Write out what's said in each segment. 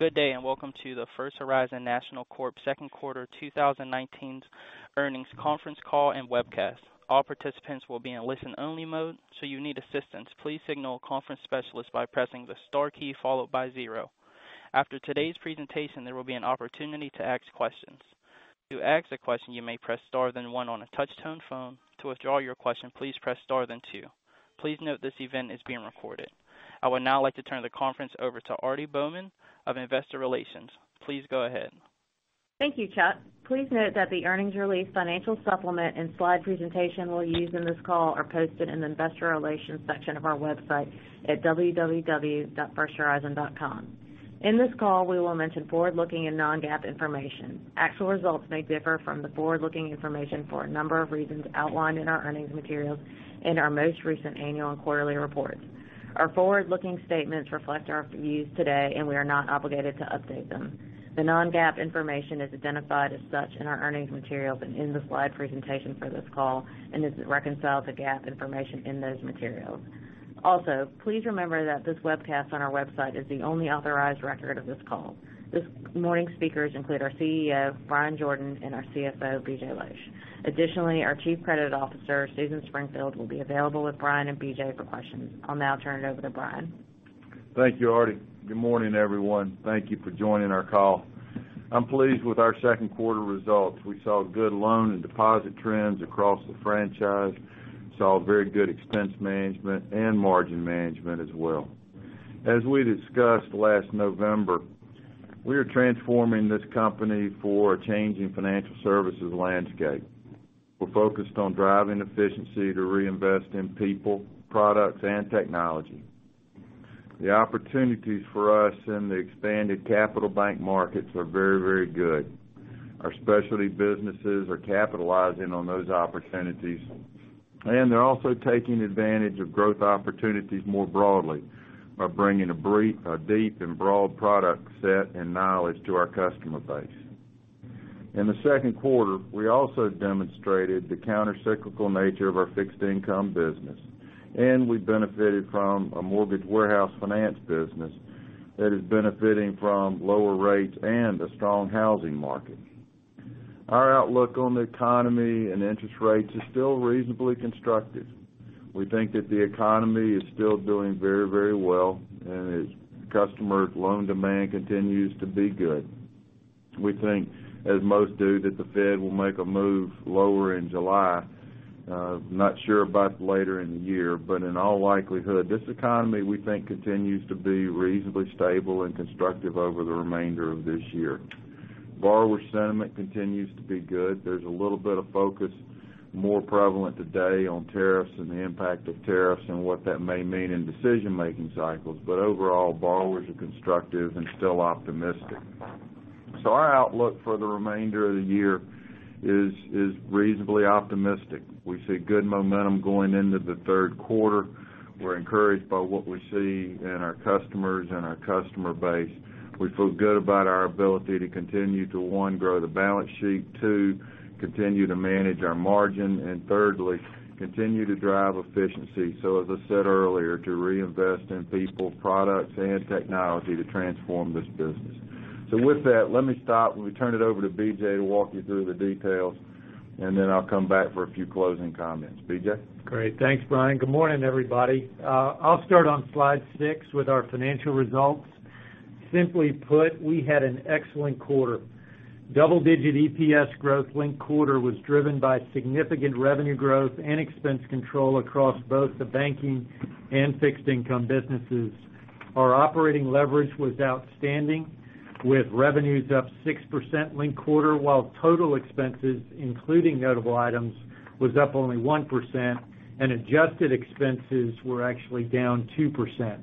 Good day, and welcome to the First Horizon National Corp second quarter 2019 earnings conference call and webcast. All participants will be in listen-only mode, If you need assistance, please signal a conference specialist by pressing the star key followed by zero. After today's presentation, there will be an opportunity to ask questions. To ask a question, you may press star then one on a touch-tone phone. To withdraw your question, please press star then two. Please note this event is being recorded. I would now like to turn the conference over to Aarti Bowman of Investor Relations, please go ahead. Thank you, Chuck. Please note that the earnings release financial supplement and slide presentation we'll use in this call are posted in the investor relations section of our website at www.firsthorizon.com. In this call, we will mention forward-looking and non-GAAP information. Actual results may differ from the forward-looking information for a number of reasons outlined in our earnings materials and our most recent annual and quarterly reports. Our forward-looking statements reflect our views today, we are not obligated to update them. The non-GAAP information is identified as such in our earnings materials and in the slide presentation for this call and is reconciled to GAAP information in those materials. Please remember that this webcast on our website is the only authorized record of this call. This morning speakers include our Chief Executive Officer, Bryan Jordan, and our Chief Financial Officer, BJ Losch. Additionally, our Chief Credit Officer, Susan Springfield, will be available with Bryan and BJ for questions. I'll now turn it over to Bryan. Thank you, Aarti. Good morning everyone? Thank you for joining our call. I'm pleased with our second quarter results. We saw good loan and deposit trends across the franchise, very good expense management and margin management as well. As we discussed last November, we are transforming this company for a changing financial services landscape. We're focused on driving efficiency to reinvest in people, products, and technology. The opportunities for us in the expanded Capital Bank markets are very good. Our specialty businesses are capitalizing on those opportunities, they're also taking advantage of growth opportunities more broadly by bringing a deep and broad product set and knowledge to our customer base. In the second quarter, we also demonstrated the countercyclical nature of our fixed income business, we benefited from a mortgage warehouse finance business that is benefiting from lower rates and a strong housing market. Our outlook on the economy and interest rates is still reasonably constructive. We think that the economy is still doing very, very well and its customer loan demand continues to be good. We think, as most do, that the Fed will make a move lower in July. Not sure about later in the year, but in all likelihood, this economy, we think, continues to be reasonably stable and constructive over the remainder of this year. Borrower sentiment continues to be good. There's a little bit of focus more prevalent today on tariffs and the impact of tariffs and what that may mean in decision-making cycles. But overall, borrowers are constructive and still optimistic. Our outlook for the remainder of the year is reasonably optimistic. We see good momentum going into the third quarter. We're encouraged by what we see in our customers and our customer base. We feel good about our ability to continue to, one, grow the balance sheet, two, continue to manage our margin, and thirdly, continue to drive efficiency. As I said earlier, to reinvest in people, products and technology to transform this business. With that, let me stop. We turn it over to BJ to walk you through the details, and then I'll come back for a few closing comments. BJ? Great. Thanks, Bryan. Good morning everybody? I'll start on slide six with our financial results. Simply put, we had an excellent quarter. Double-digit EPS growth linked quarter was driven by significant revenue growth and expense control across both the banking and fixed income businesses. Our operating leverage was outstanding, with revenues up 6% linked quarter, while total expenses, including notable items, was up only 1%, and adjusted expenses were actually down 2%.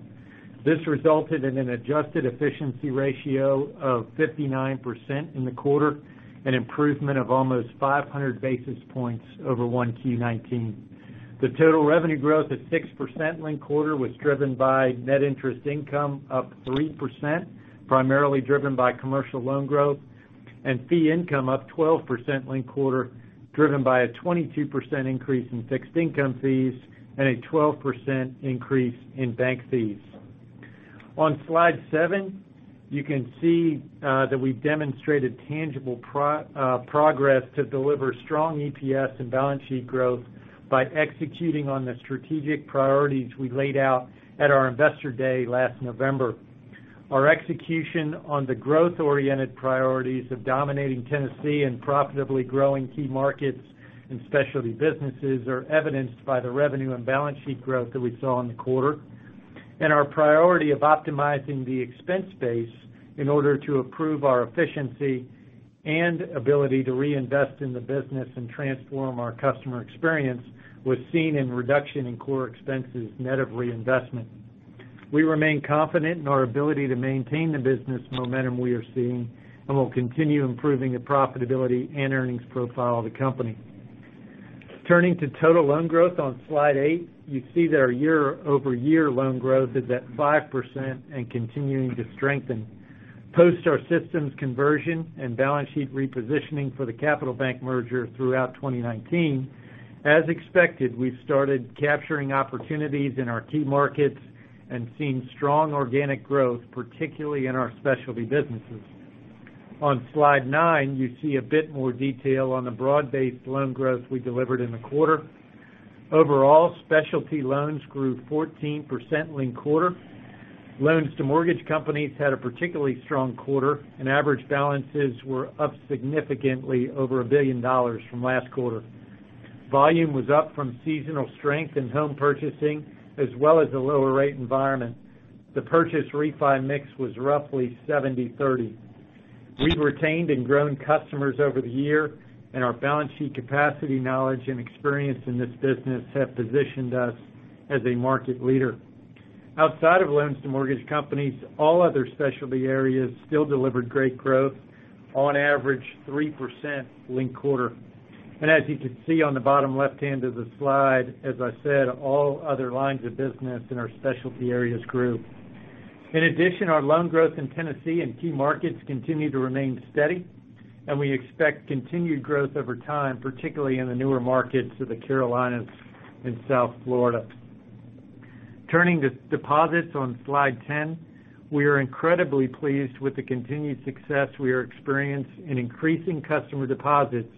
This resulted in an adjusted efficiency ratio of 59% in the quarter, an improvement of almost 500 basis points over 1Q 2019. The total revenue growth at 6% linked quarter was driven by net interest income up 3%, primarily driven by commercial loan growth and fee income up 12% linked quarter, driven by a 22% increase in fixed income fees and a 12% increase in bank fees. On slide seven, you can see that we've demonstrated tangible progress to deliver strong EPS and balance sheet growth by executing on the strategic priorities we laid out at our Investor Day last November. Our execution on the growth-oriented priorities of dominating Tennessee and profitably growing key markets and specialty businesses are evidenced by the revenue and balance sheet growth that we saw in the quarter. And our priority of optimizing the expense base in order to improve our efficiency and ability to reinvest in the business and transform our customer experience was seen in reduction in core expenses net of reinvestment. We remain confident in our ability to maintain the business momentum we are seeing and will continue improving the profitability and earnings profile of the company. Turning to total loan growth on slide eight, you see that our year-over-year loan growth is at 5% and continuing to strengthen. Post our systems conversion and balance sheet repositioning for the Capital Bank merger throughout 2019, as expected, we've started capturing opportunities in our key markets and seen strong organic growth, particularly in our specialty businesses. On slide nine, you see a bit more detail on the broad-based loan growth we delivered in the quarter. Overall, specialty loans grew 14% linked quarter. Loans to mortgage companies had a particularly strong quarter, and average balances were up significantly over a billion dollars from last quarter. Volume was up from seasonal strength in home purchasing, as well as a lower rate environment. The purchase refi mix was roughly 70/30. We've retained and grown customers over the year, and our balance sheet capacity, knowledge, and experience in this business have positioned us as a market leader. Outside of loans to mortgage companies, all other specialty areas still delivered great growth, on average 3% linked quarter. As you can see on the bottom left hand of the slide, as I said, all other lines of business in our specialty areas grew. In addition, our loan growth in Tennessee and key markets continue to remain steady, and we expect continued growth over time, particularly in the newer markets of the Carolinas and South Florida. Turning to deposits on slide 10, we are incredibly pleased with the continued success we are experiencing in increasing customer deposits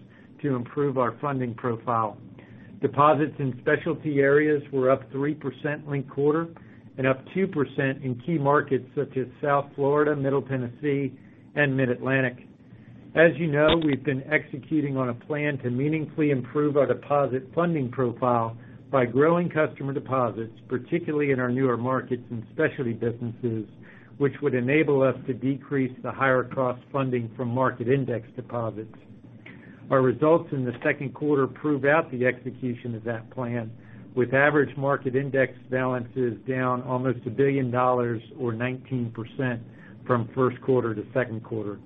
to improve our funding profile. Deposits in specialty areas were up 3% linked quarter and up 2% in key markets such as South Florida, Middle Tennessee, and Mid-Atlantic. As you know, we've been executing on a plan to meaningfully improve our deposit funding profile by growing customer deposits, particularly in our newer markets and specialty businesses, which would enable us to decrease the higher cost funding from market index deposits. Our results in the second quarter prove out the execution of that plan, with average market index balances down almost a billion dollars or 19% from first quarter to second quarter.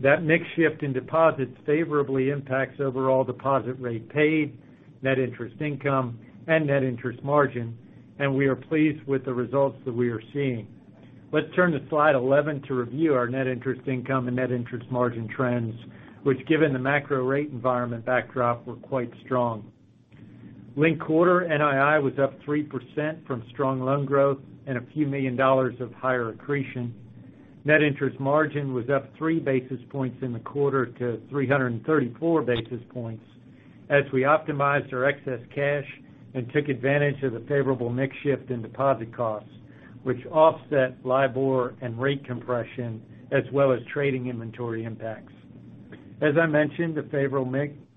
That mix shift in deposits favorably impacts overall deposit rate paid, net interest income, and net interest margin, and we are pleased with the results that we are seeing. Let's turn to slide 11 to review our net interest income and net interest margin trends, which, given the macro rate environment backdrop, were quite strong. Linked quarter, NII was up 3% from strong loan growth and a few million dollars of higher accretion. Net interest margin was up three basis points in the quarter to 334 basis points as we optimized our excess cash and took advantage of the favorable mix shift in deposit costs, which offset LIBOR and rate compression, as well as trading inventory impacts. As I mentioned, the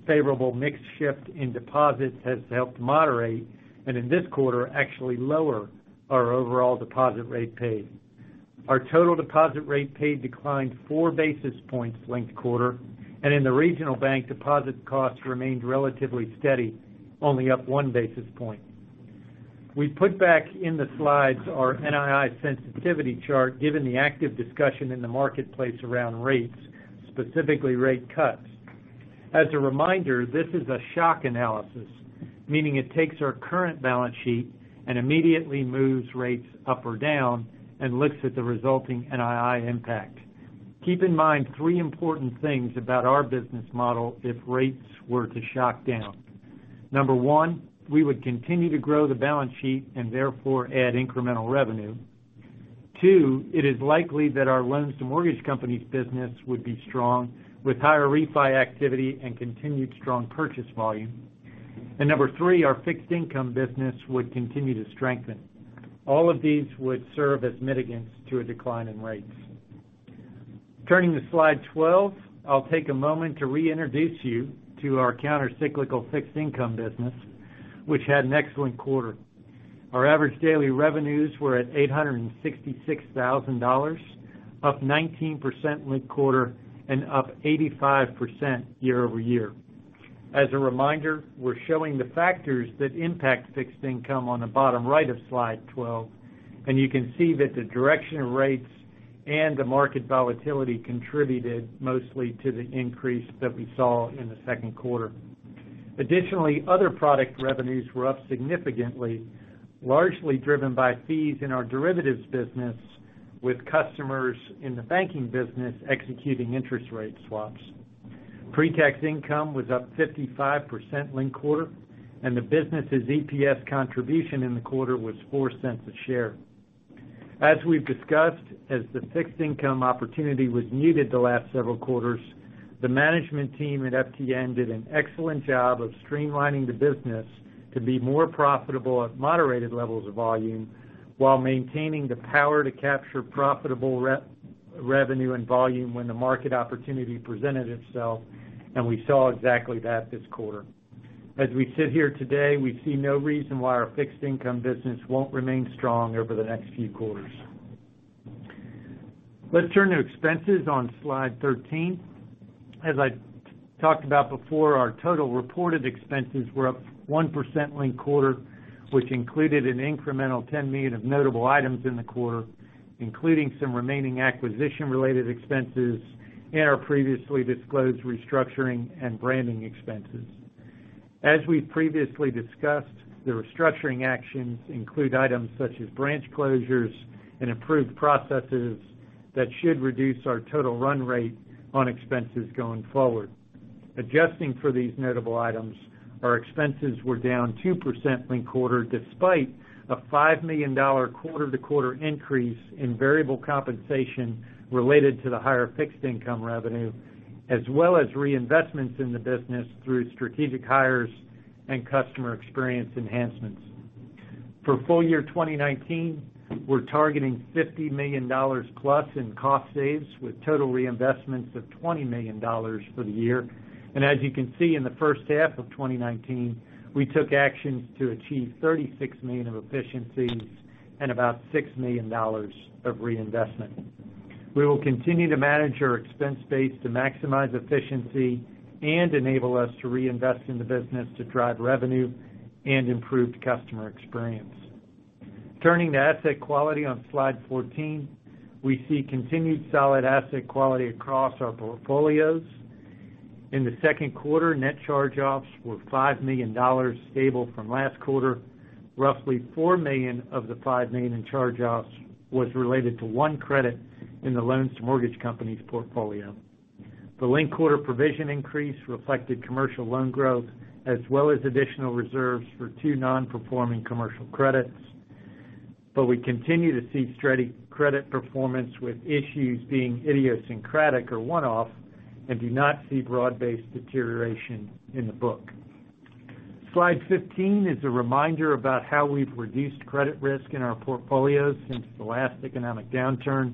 favorable mix shift in deposits has helped moderate, and in this quarter, actually lower our overall deposit rate paid. Our total deposit rate paid declined four basis points linked quarter, and in the regional bank, deposit costs remained relatively steady, only up one basis point. We put back in the slides our NII sensitivity chart, given the active discussion in the marketplace around rates, specifically rate cuts. As a reminder, this is a shock analysis, meaning it takes our current balance sheet and immediately moves rates up or down and looks at the resulting NII impact. Keep in mind three important things about our business model if rates were to shock down. Number one, we would continue to grow the balance sheet and therefore add incremental revenue. Two, it is likely that our loans to mortgage companies business would be strong with higher refi activity and continued strong purchase volume. Number three, our fixed income business would continue to strengthen. All of these would serve as mitigants to a decline in rates. Turning to slide 12, I'll take a moment to reintroduce you to our counter-cyclical fixed income business, which had an excellent quarter. Our average daily revenues were at $866,000, up 19% linked quarter and up 85% year-over-year. As a reminder, we're showing the factors that impact fixed income on the bottom right of slide 12, and you can see that the direction of rates and the market volatility contributed mostly to the increase that we saw in the second quarter. Additionally, other product revenues were up significantly, largely driven by fees in our derivatives business, with customers in the banking business executing interest rate swaps. Pre-tax income was up 55% linked quarter, and the business' EPS contribution in the quarter was $0.04 a share. As we've discussed, as the fixed income opportunity was muted the last several quarters, the management team at FTN did an excellent job of streamlining the business to be more profitable at moderated levels of volume, while maintaining the power to capture profitable revenue and volume when the market opportunity presented itself, and we saw exactly that this quarter. As we sit here today, we see no reason why our fixed income business won't remain strong over the next few quarters. Let's turn to expenses on slide 13. As I talked about before, our total reported expenses were up 1% linked quarter, which included an incremental $10 million of notable items in the quarter, including some remaining acquisition-related expenses and our previously disclosed restructuring and branding expenses. As we previously discussed, the restructuring actions include items such as branch closures and improved processes that should reduce our total run rate on expenses going forward. Adjusting for these notable items, our expenses were down 2% linked quarter, despite a $5 million quarter-to-quarter increase in variable compensation related to the higher fixed income revenue, as well as reinvestments in the business through strategic hires and customer experience enhancements. For full year 2019, we're targeting $50 million-plus in cost saves, with total reinvestments of $20 million for the year. As you can see, in the first half of 2019, we took actions to achieve $36 million of efficiencies and about $6 million of reinvestment. We will continue to manage our expense base to maximize efficiency and enable us to reinvest in the business to drive revenue and improved customer experience. Turning to asset quality on slide 14, we see continued solid asset quality across our portfolios. In the second quarter, net charge-offs were $5 million, stable from last quarter. Roughly $4 million of the $5 million in charge-offs was related to one credit in the loans mortgage company's portfolio. The linked quarter provision increase reflected commercial loan growth, as well as additional reserves for two non-performing commercial credits. We continue to see credit performance with issues being idiosyncratic or one-off and do not see broad-based deterioration in the book. Slide 15 is a reminder about how we've reduced credit risk in our portfolios since the last economic downturn.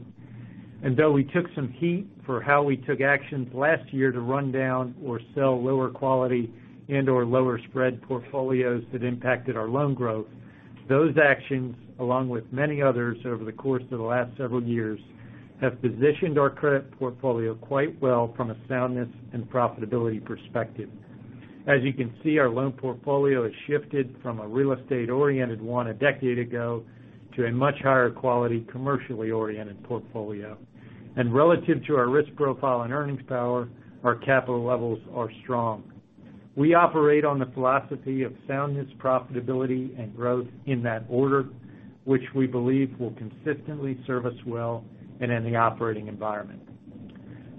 Though we took some heat for how we took actions last year to run down or sell lower quality and/or lower spread portfolios that impacted our loan growth, those actions, along with many others over the course of the last several years, have positioned our credit portfolio quite well from a soundness and profitability perspective. As you can see, our loan portfolio has shifted from a real estate-oriented one a decade ago to a much higher quality commercially oriented portfolio. Relative to our risk profile and earnings power, our capital levels are strong. We operate on the philosophy of soundness, profitability, and growth in that order, which we believe will consistently serve us well in the operating environment.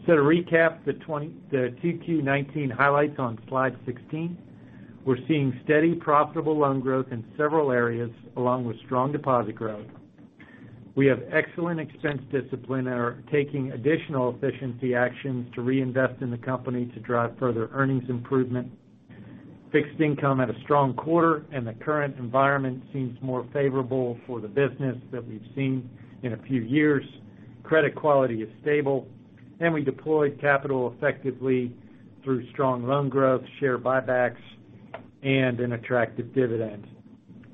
To recap the 2Q 2019 highlights on slide 16, we're seeing steady profitable loan growth in several areas along with strong deposit growth. We have excellent expense discipline and are taking additional efficiency actions to reinvest in the company to drive further earnings improvement. Fixed income had a strong quarter and the current environment seems more favorable for the business than we've seen in a few years. Credit quality is stable, and we deployed capital effectively through strong loan growth, share buybacks, and an attractive dividend.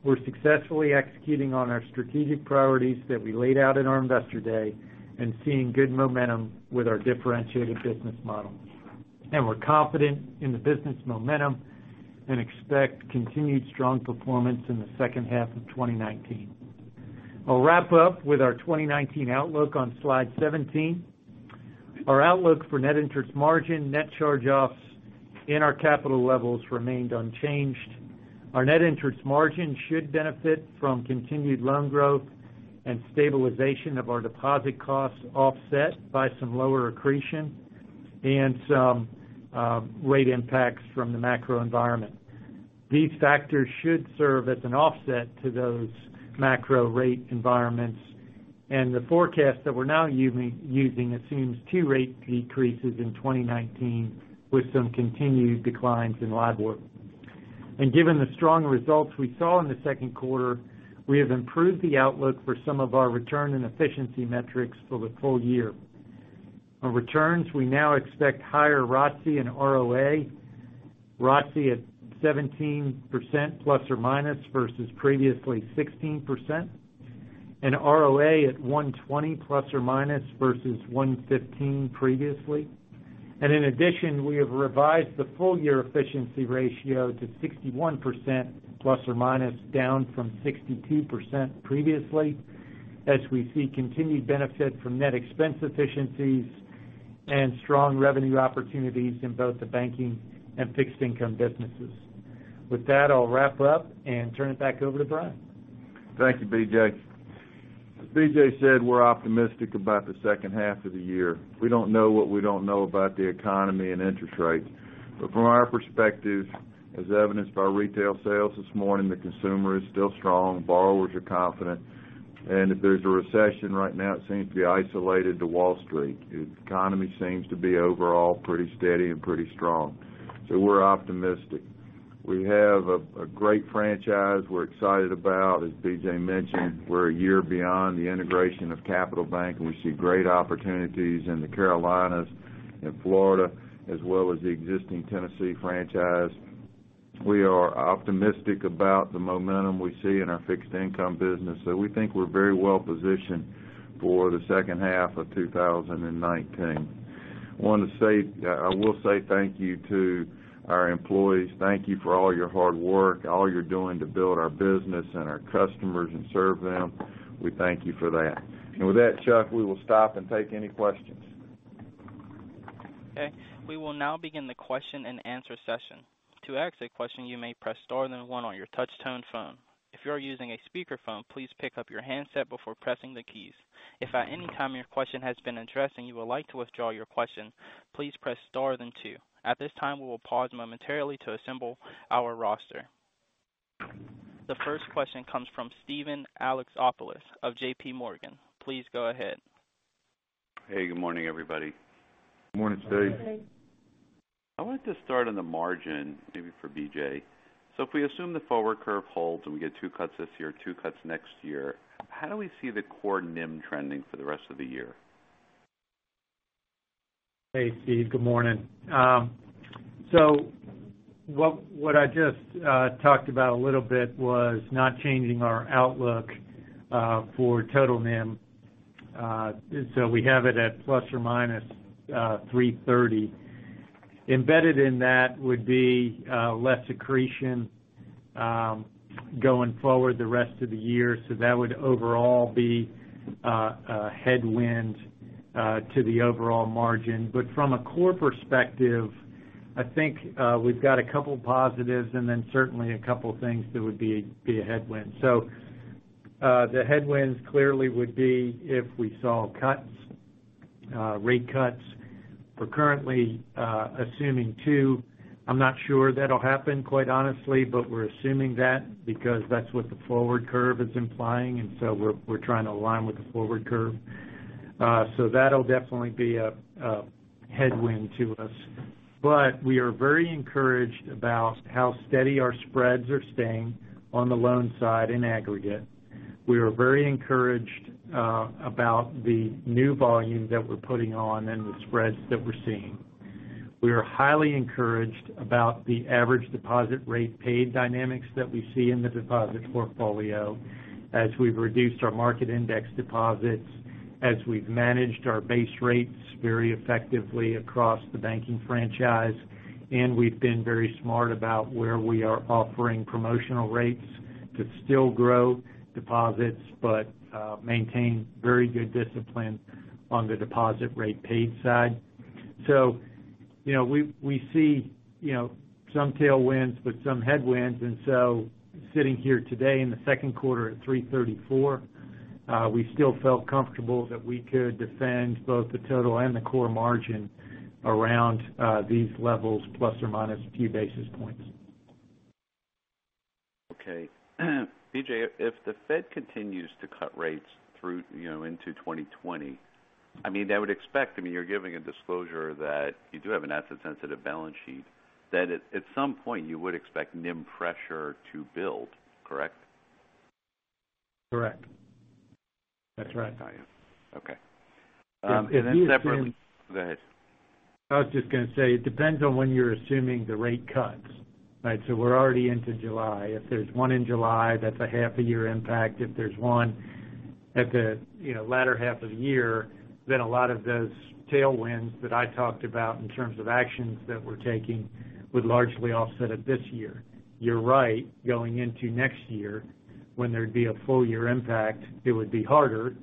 We're successfully executing on our strategic priorities that we laid out at our investor day and seeing good momentum with our differentiated business model. We're confident in the business momentum and expect continued strong performance in the second half of 2019. I'll wrap up with our 2019 outlook on slide 17. Our outlook for net interest margin, net charge-offs, and our capital levels remained unchanged. Our net interest margin should benefit from continued loan growth and stabilization of our deposit costs offset by some lower accretion and some rate impacts from the macro environment. These factors should serve as an offset to those macro rate environments. The forecast that we're now using assumes two rate decreases in 2019 with some continued declines in LIBOR. Given the strong results we saw in the second quarter, we have improved the outlook for some of our return and efficiency metrics for the full year. On returns, we now expect higher ROTCE and ROA. ROTCE at 17% ± versus previously 16%, and ROA at 120 ± versus 115 previously. In addition, we have revised the full-year efficiency ratio to 61% ±, down from 62% previously, as we see continued benefit from net expense efficiencies and strong revenue opportunities in both the banking and fixed income businesses. With that, I'll wrap up and turn it back over to Bryan. Thank you, BJ. As BJ said, we're optimistic about the second half of the year. We don't know what we don't know about the economy and interest rates. From our perspective, as evidenced by retail sales this morning, the consumer is still strong, borrowers are confident, and if there's a recession right now, it seems to be isolated to Wall Street. The economy seems to be overall pretty steady and pretty strong. We're optimistic. We have a great franchise we're excited about. As BJ mentioned, we're a year beyond the integration of Capital Bank, and we see great opportunities in the Carolinas and Florida, as well as the existing Tennessee franchise. We are optimistic about the momentum we see in our fixed income business. We think we're very well positioned for the second half of 2019. I will say thank you to our employees. Thank you for all your hard work, all you're doing to build our business and our customers and serve them. We thank you for that. With that, Chuck, we will stop and take any questions. Okay. We will now begin the question-and-answer session. To ask a question, you may press star then one on your touchtone phone. If you are using a speakerphone, please pick up your handset before pressing the keys. If at any time your question has been addressed and you would like to withdraw your question, please press star then two. At this time, we will pause momentarily to assemble our roster. The first question comes from Steven Alexopoulos of JPMorgan, please go ahead. Hey, good morning everybody? Morning, Steven. Good morning. I wanted to start on the margin, maybe for BJ. If we assume the forward curve holds and we get two cuts this year, two cuts next year, how do we see the core NIM trending for the rest of the year? Hey, Steven. Good morning. What I just talked about a little bit was not changing our outlook for total NIM. We have it at ±3.30%. Embedded in that would be less accretion going forward the rest of the year. That would overall be a headwind to the overall margin. From a core perspective, I think we've got a couple positives and then certainly a couple things that would be a headwind. The headwinds clearly would be if we saw cuts, rate cuts. We're currently assuming two. I'm not sure that'll happen, quite honestly, but we're assuming that because that's what the forward curve is implying, we're trying to align with the forward curve. That'll definitely be a headwind to us. We are very encouraged about how steady our spreads are staying on the loan side in aggregate. We are very encouraged about the new volume that we're putting on, the spreads that we're seeing. We are highly encouraged about the average deposit rate paid dynamics that we see in the deposit portfolio as we've reduced our market index deposits, as we've managed our base rates very effectively across the banking franchise, we've been very smart about where we are offering promotional rates to still grow deposits but maintain very good discipline on the deposit rate paid side. We see some tailwinds, some headwinds, sitting here today in the second quarter at 3.34%, we still felt comfortable that we could defend both the total and the core margin around these levels, ± a few basis points. Okay. BJ, if the Fed continues to cut rates through into 2020, I would expect, you're giving a disclosure that you do have an asset-sensitive balance sheet, that at some point you would expect NIM pressure to build, correct? Correct. That's right. Got you. Okay. Separately- It is- Go ahead. I was just going to say, it depends on when you're assuming the rate cuts, right? We're already into July. If there's one in July, that's a half a year impact. If there's one at the latter half of the year, a lot of those tailwinds that I talked about in terms of actions that we're taking would largely offset it this year. You're right, going into next year when there'd be a full year impact, it would be harder.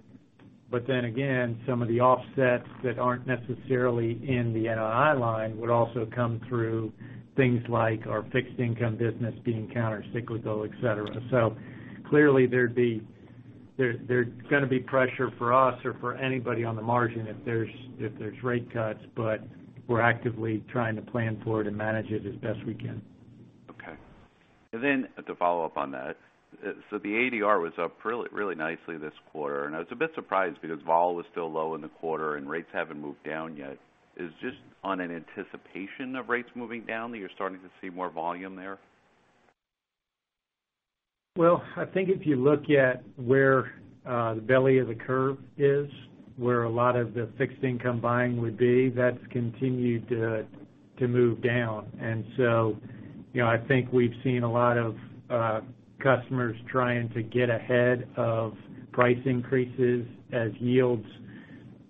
Some of the offsets that aren't necessarily in the NII line would also come through things like our fixed income business being counter-cyclical, et cetera. Clearly, there's going to be pressure for us or for anybody on the margin if there's rate cuts, but we're actively trying to plan for it and manage it as best we can. Okay. To follow up on that, the ADR was up really nicely this quarter, I was a bit surprised because vol was still low in the quarter and rates haven't moved down yet. Is it just on an anticipation of rates moving down that you're starting to see more volume there? Well, I think if you look at where the belly of the curve is, where a lot of the fixed income buying would be, that's continued to move down. I think we've seen a lot of customers trying to get ahead of price increases as yields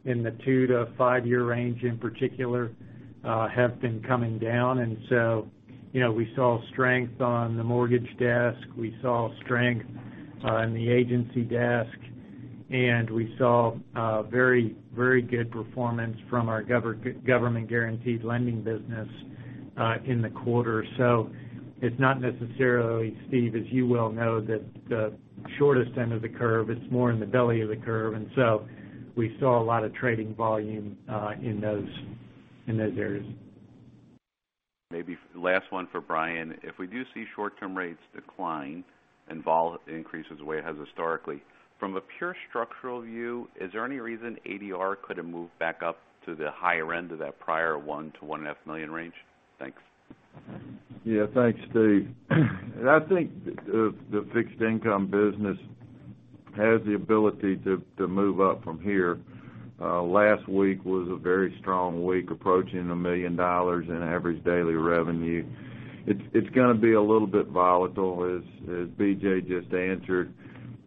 in the two-year to five-year range, in particular, have been coming down. We saw strength on the mortgage desk, we saw strength on the agency desk, and we saw very, very good performance from our government-guaranteed lending business, in the quarter. It's not necessarily, Steven, as you well know, that the shortest end of the curve, it's more in the belly of the curve. We saw a lot of trading volume in those areas. Maybe last one for Bryan. If we do see short-term rates decline and vol increases the way it has historically, from a pure structural view, is there any reason ADR could have moved back up to the higher end of that prior one to one and a half million range? Thanks. Yeah. Thanks, Steven. I think the fixed income business has the ability to move up from here. Last week was a very strong week, approaching a million dollars in average daily revenue. It's going to be a little bit volatile, as BJ just answered.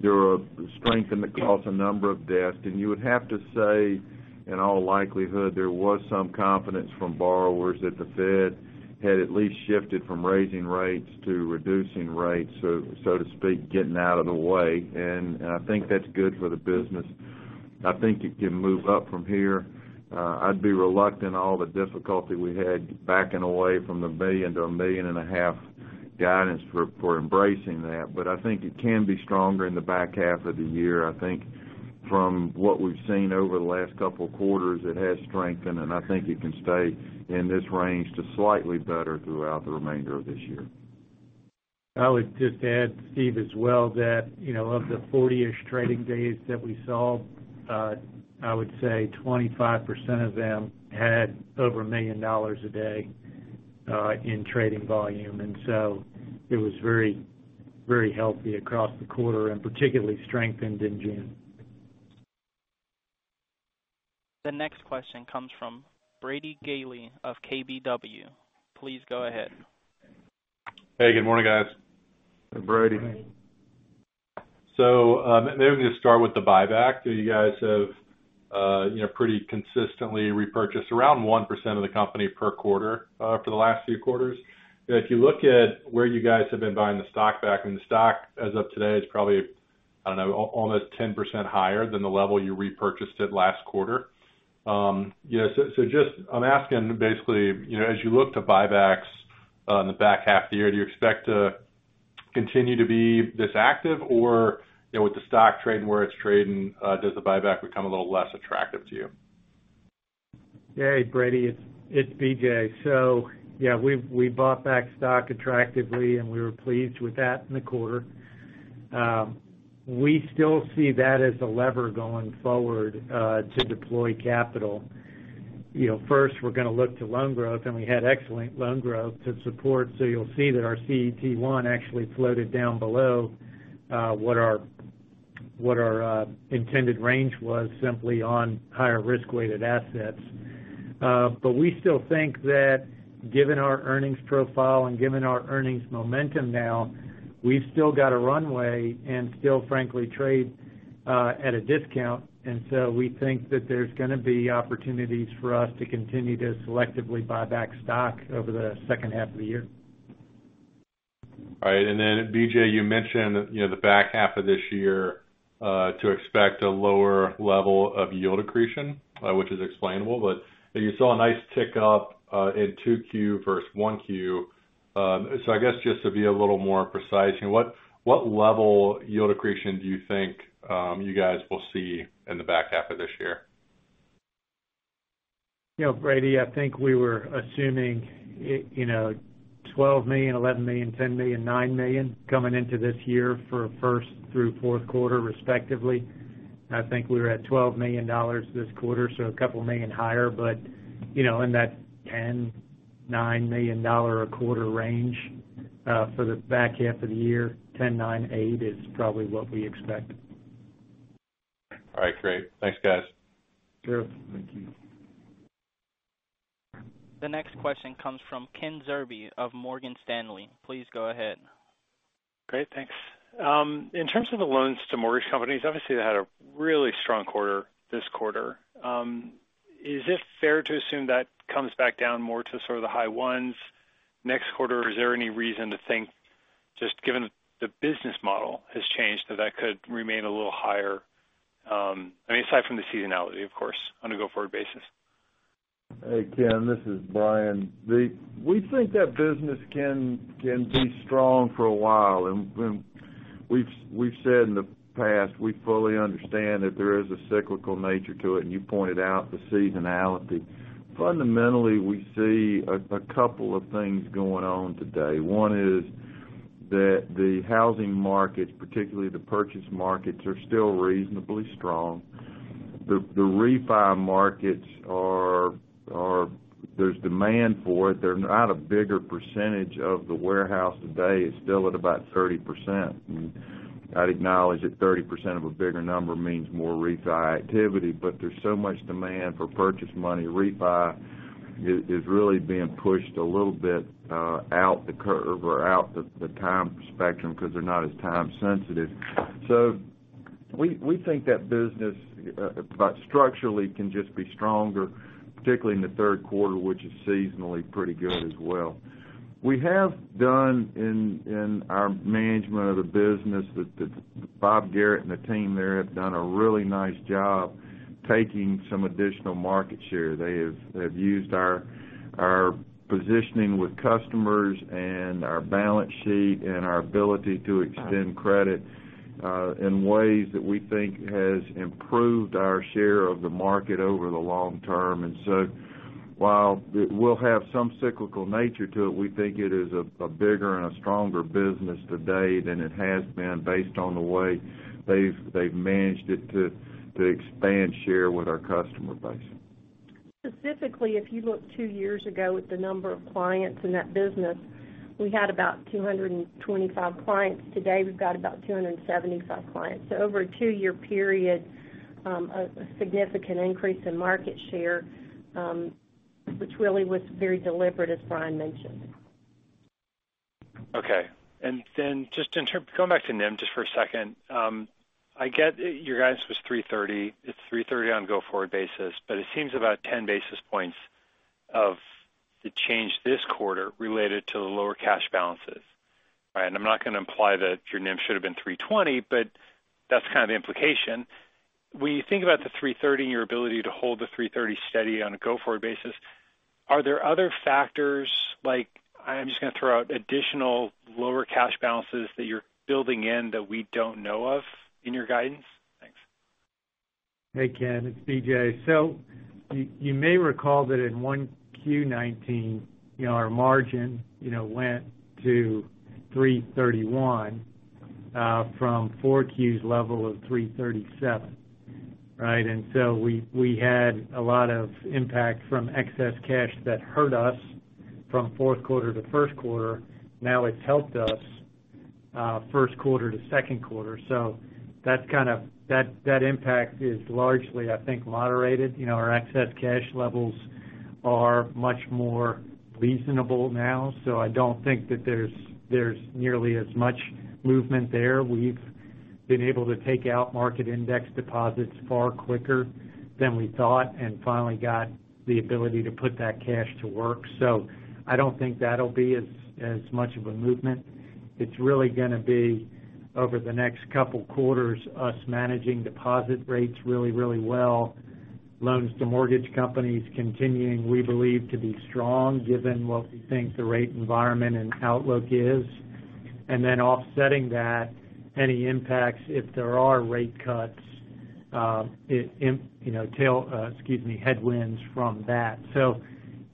There was strength across a number of desks, and you would have to say, in all likelihood, there was some confidence from borrowers that the Fed had at least shifted from raising rates to reducing rates, so to speak, getting out of the way. I think that's good for the business. I think it can move up from here. I'd be reluctant, all the difficulty we had backing away from the $1 million to a $1.5 Million guidance for embracing that. I think it can be stronger in the back half of the year. I think from what we've seen over the last couple of quarters, it has strengthened, and I think it can stay in this range to slightly better throughout the remainder of this year. I would just add, Steven, as well, that of the 40-ish trading days that we saw, I would say 25% of them had over $1 million a day in trading volume. It was very healthy across the quarter and particularly strengthened in June. The next question comes from Brady Gailey of KBW, please go ahead. Hey, good morning guys? Hey, Brady. Hey. Maybe we can start with the buyback that you guys have pretty consistently repurchased around 1% of the company per quarter for the last few quarters. If you look at where you guys have been buying the stock back, and the stock, as of today, is probably, I don't know, almost 10% higher than the level you repurchased it last quarter. I'm asking basically, as you look to buybacks on the back half of the year, do you expect to continue to be this active? With the stock trading where it's trading, does the buyback become a little less attractive to you? Hey, Brady, it's BJ. Yeah, we bought back stock attractively, and we were pleased with that in the quarter. We still see that as a lever going forward to deploy capital. First, we're going to look to loan growth, and we had excellent loan growth to support. You'll see that our CET1 actually floated down below what our intended range was simply on higher risk-weighted assets. We still think that given our earnings profile and given our earnings momentum now, we've still got a runway and still, frankly, trade at a discount. We think that there's going to be opportunities for us to continue to selectively buy back stock over the second half of the year. All right. Then BJ, you mentioned, the back half of this year to expect a lower level of yield accretion, which is explainable, but you saw a nice tick up in 2Q versus 1Q. I guess just to be a little more precise, what level of yield accretion do you think you guys will see in the back half of this year? Brady, I think we were assuming $12 million, $11 million, $10 million, $9 million coming into this year for first through fourth quarter, respectively. I think we were at $12 million this quarter, so a couple of million higher. In that $10 million-$9 million a quarter range for the back half of the year, $10 million, $9 million, $8 million is probably what we expect. All right, great. Thanks, guys. Sure. Thank you. The next question comes from Ken Zerbe of Morgan Stanley, please go ahead. Great, thanks. In terms of the loans to mortgage companies, obviously, they had a really strong quarter this quarter. Is it fair to assume that comes back down more to sort of the high ones next quarter? Or is there any reason to think, just given the business model has changed, that that could remain a little higher, aside from the seasonality, of course, on a go-forward basis? Hey, Ken, this is Bryan. We think that business can be strong for a while. We've said in the past, we fully understand that there is a cyclical nature to it, and you pointed out the seasonality. Fundamentally, we see a couple of things going on today. One is that the housing markets, particularly the purchase markets, are still reasonably strong. The refi markets, there's demand for it. They're not a bigger percentage of the warehouse today. It's still at about 30%. I'd acknowledge that 30% of a bigger number means more refi activity, but there's so much demand for purchase money. Refi is really being pushed a little bit out the curve or out the time spectrum because they're not as time sensitive. We think that business, structurally, can just be stronger, particularly in the third quarter, which is seasonally pretty good as well. We have done in our management of the business, Bob Garrett and the team there have done a really nice job taking some additional market share. They have used our positioning with customers and our balance sheet and our ability to extend credit in ways that we think has improved our share of the market over the long term. While it will have some cyclical nature to it, we think it is a bigger and a stronger business today than it has been based on the way they've managed it to expand share with our customer base. Specifically, if you look two years ago at the number of clients in that business, we had about 225 clients. Today, we've got about 275 clients. Over a two-year period, a significant increase in market share, which really was very deliberate, as Bryan mentioned. Okay. Just going back to NIM just for a second. I get your guidance was 330. It's 330 on a go-forward basis, but it seems about 10 basis points of the change this quarter related to the lower cash balances. Right? I'm not going to imply that your NIM should have been 320, but that's kind of the implication. When you think about the 330 and your ability to hold the 330 steady on a go-forward basis, are there other factors like, I'm just going to throw out additional lower cash balances that you're building in that we don't know of in your guidance? Thanks. Hey, Ken, it's BJ. You may recall that in 1Q 2019, our margin went to 331, from 4Q's level of 337, right? We had a lot of impact from excess cash that hurt us from fourth quarter to first quarter. Now it's helped us first quarter to second quarter. That impact is largely, I think, moderated. Our excess cash levels are much more reasonable now. I don't think that there's nearly as much movement there. We've been able to take out market index deposits far quicker than we thought and finally got the ability to put that cash to work. I don't think that'll be as much of a movement. It's really going to be over the next couple quarters, us managing deposit rates really, really well, loans to mortgage companies continuing, we believe, to be strong given what we think the rate environment and outlook is. Offsetting that, any impacts, if there are rate cuts, headwinds from that.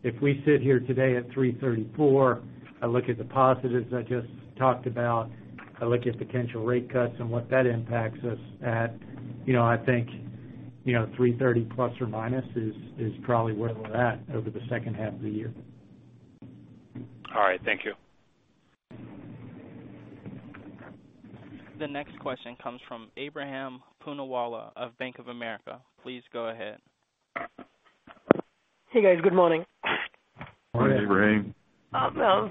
If we sit here today at 334, I look at the positives I just talked about, I look at potential rate cuts and what that impacts us at, I think, 330± is probably where we're at over the second half of the year. All right. Thank you. The next question comes from Ebrahim Poonawala of Bank of America, please go ahead. Hey, guys. Good morning? Morning. Morning.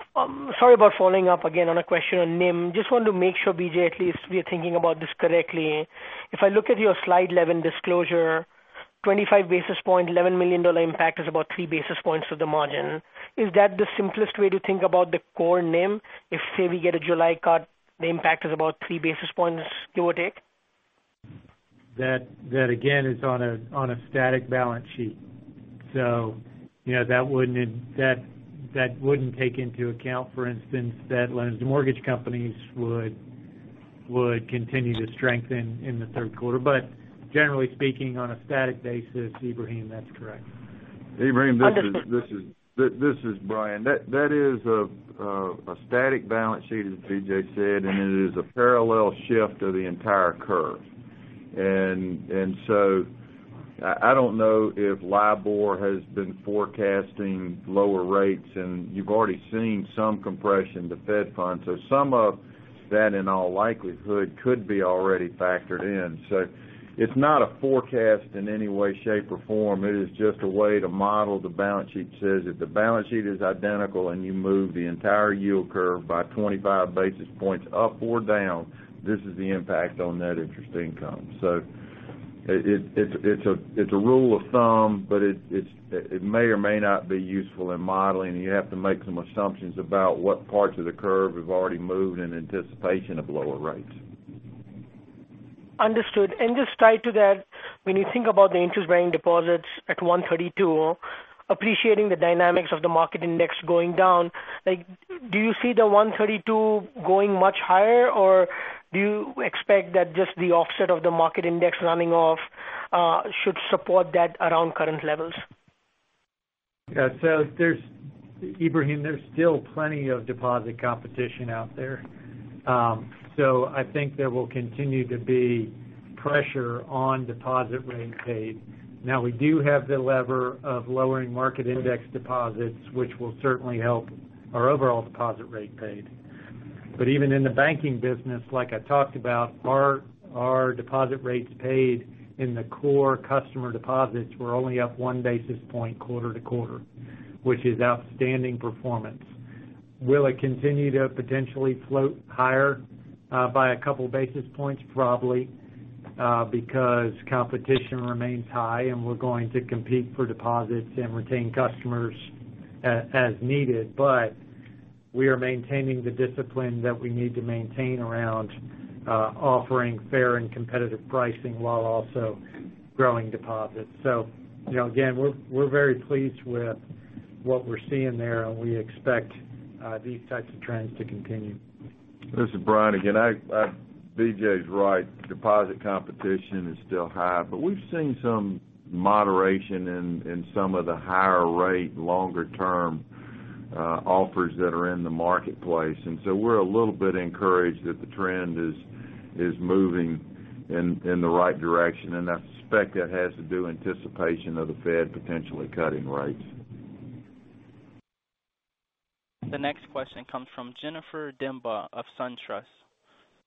Sorry about following up again on a question on NIM. Just wanted to make sure, BJ, at least we are thinking about this correctly. If I look at your slide 11 disclosure, 25 basis point, $11 million impact is about three basis points to the margin. Is that the simplest way to think about the core NIM? If say we get a July cut, the impact is about three basis points, give or take? That again, is on a static balance sheet. That wouldn't take into account, for instance, that loans to mortgage companies would continue to strengthen in the third quarter. Generally speaking, on a static basis, Ebrahim, that's correct. Ebrahim, this is Bryan. That is a static balance sheet, as BJ said, and it is a parallel shift of the entire curve. I don't know if LIBOR has been forecasting lower rates, and you've already seen some compression to Fed Funds. Some of that, in all likelihood, could be already factored in. It's not a forecast in any way, shape, or form. It is just a way to model the balance sheet. Says if the balance sheet is identical and you move the entire yield curve by 25 basis points up or down, this is the impact on net interest income. It's a rule of thumb, but it may or may not be useful in modeling, and you have to make some assumptions about what parts of the curve have already moved in anticipation of lower rates. Understood. Just tied to that, when you think about the interest-bearing deposits at 132, appreciating the dynamics of the market index going down, do you see the 132 going much higher, or do you expect that just the offset of the market index running off should support that around current levels? Yeah. Ebrahim, there's still plenty of deposit competition out there. I think there will continue to be pressure on deposit rates paid. Now, we do have the lever of lowering market index deposits, which will certainly help our overall deposit rate paid. Even in the banking business, like I talked about, our deposit rates paid in the core customer deposits were only up one basis point quarter to quarter, which is outstanding performance. Will it continue to potentially float higher by a couple of basis points? Probably, because competition remains high and we're going to compete for deposits and retain customers as needed. We are maintaining the discipline that we need to maintain around offering fair and competitive pricing while also growing deposits. Again, we're very pleased with what we're seeing there, and we expect these types of trends to continue. This is Bryan again. BJ's right. Deposit competition is still high, but we've seen some moderation in some of the higher rate, longer term offers that are in the marketplace. We're a little bit encouraged that the trend is moving in the right direction. I suspect that has to do anticipation of the Fed potentially cutting rates. The next question comes from Jennifer Demba of SunTrust,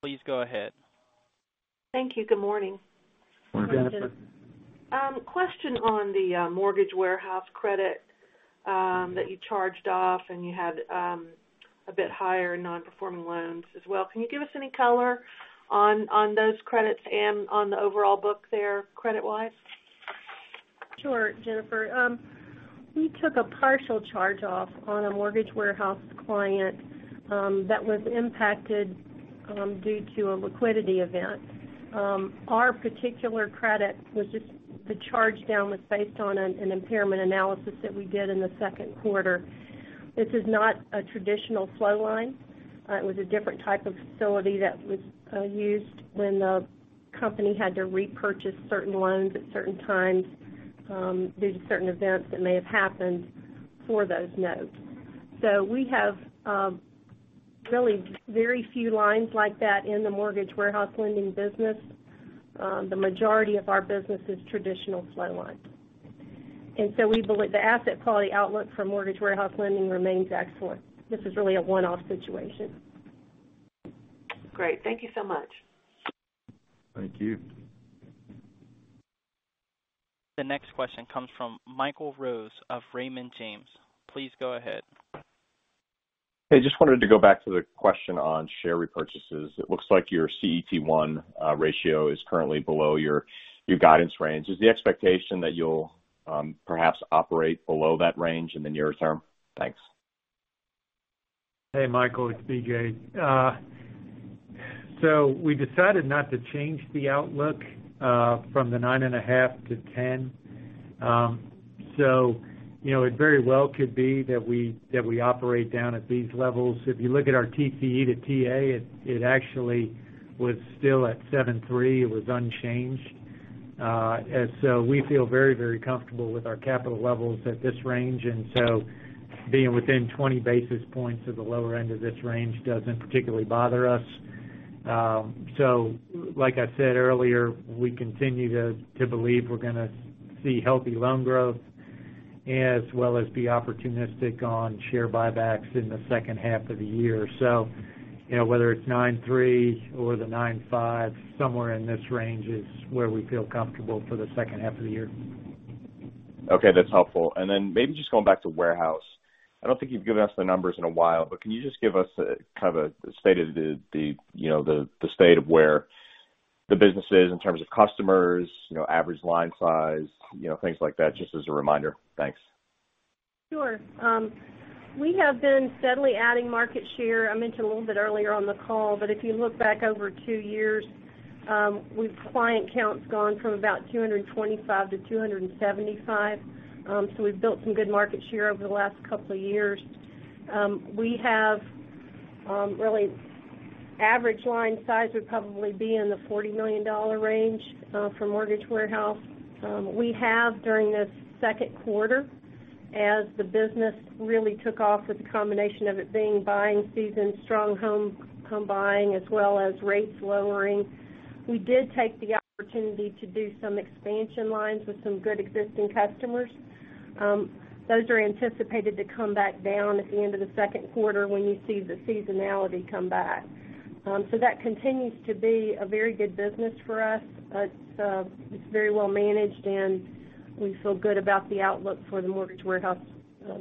please go ahead. Thank you. Good morning? Morning, Jennifer. Question on the mortgage warehouse credit that you charged off, and you had a bit higher non-performing loans as well. Can you give us any color on those credits and on the overall book there credit-wise? Sure, Jennifer. We took a partial charge-off on a mortgage warehouse client that was impacted due to a liquidity event. Our particular credit, the charge down was based on an impairment analysis that we did in the second quarter. This is not a traditional flow line. It was a different type of facility that was used when the company had to repurchase certain loans at certain times due to certain events that may have happened for those notes. We have really very few lines like that in the mortgage warehouse lending business. The majority of our business is traditional flow lines. We believe the asset quality outlook for mortgage warehouse lending remains excellent. This is really a one-off situation. Great. Thank you so much. Thank you. The next question comes from Michael Rose of Raymond James, please go ahead. Hey, just wanted to go back to the question on share repurchases. It looks like your CET1 ratio is currently below your guidance range. Is the expectation that you will perhaps operate below that range in the near term? Thanks. Hey, Michael. It is BJ. We decided not to change the outlook from the 9.5-10. It very well could be that we operate down at these levels. If you look at our TCE to TA, it actually was still at 7.3. It was unchanged. We feel very, very comfortable with our capital levels at this range. Being within 20 basis points of the lower end of this range does not particularly bother us. Like I said earlier, we continue to believe we are going to see healthy loan growth as well as be opportunistic on share buybacks in the second half of the year. Whether it is 9.3 or the 9.5, somewhere in this range is where we feel comfortable for the second half of the year. Okay, that is helpful. Maybe just going back to warehouse. I do not think you have given us the numbers in a while, but can you just give us the state of where the business is in terms of customers, average line size, things like that, just as a reminder. Thanks. Sure. We have been steadily adding market share. If you look back over two years, client count's gone from about 225 clients to 275 clients. We've built some good market share over the last couple of years. Average line size would probably be in the $40 million range for mortgage warehouse. We have during this second quarter, as the business really took off with the combination of it being buying season, strong home buying, as well as rates lowering, we did take the opportunity to do some expansion lines with some good existing customers. Those are anticipated to come back down at the end of the second quarter when you see the seasonality come back. That continues to be a very good business for us. It's very well managed, and we feel good about the outlook for the mortgage warehouse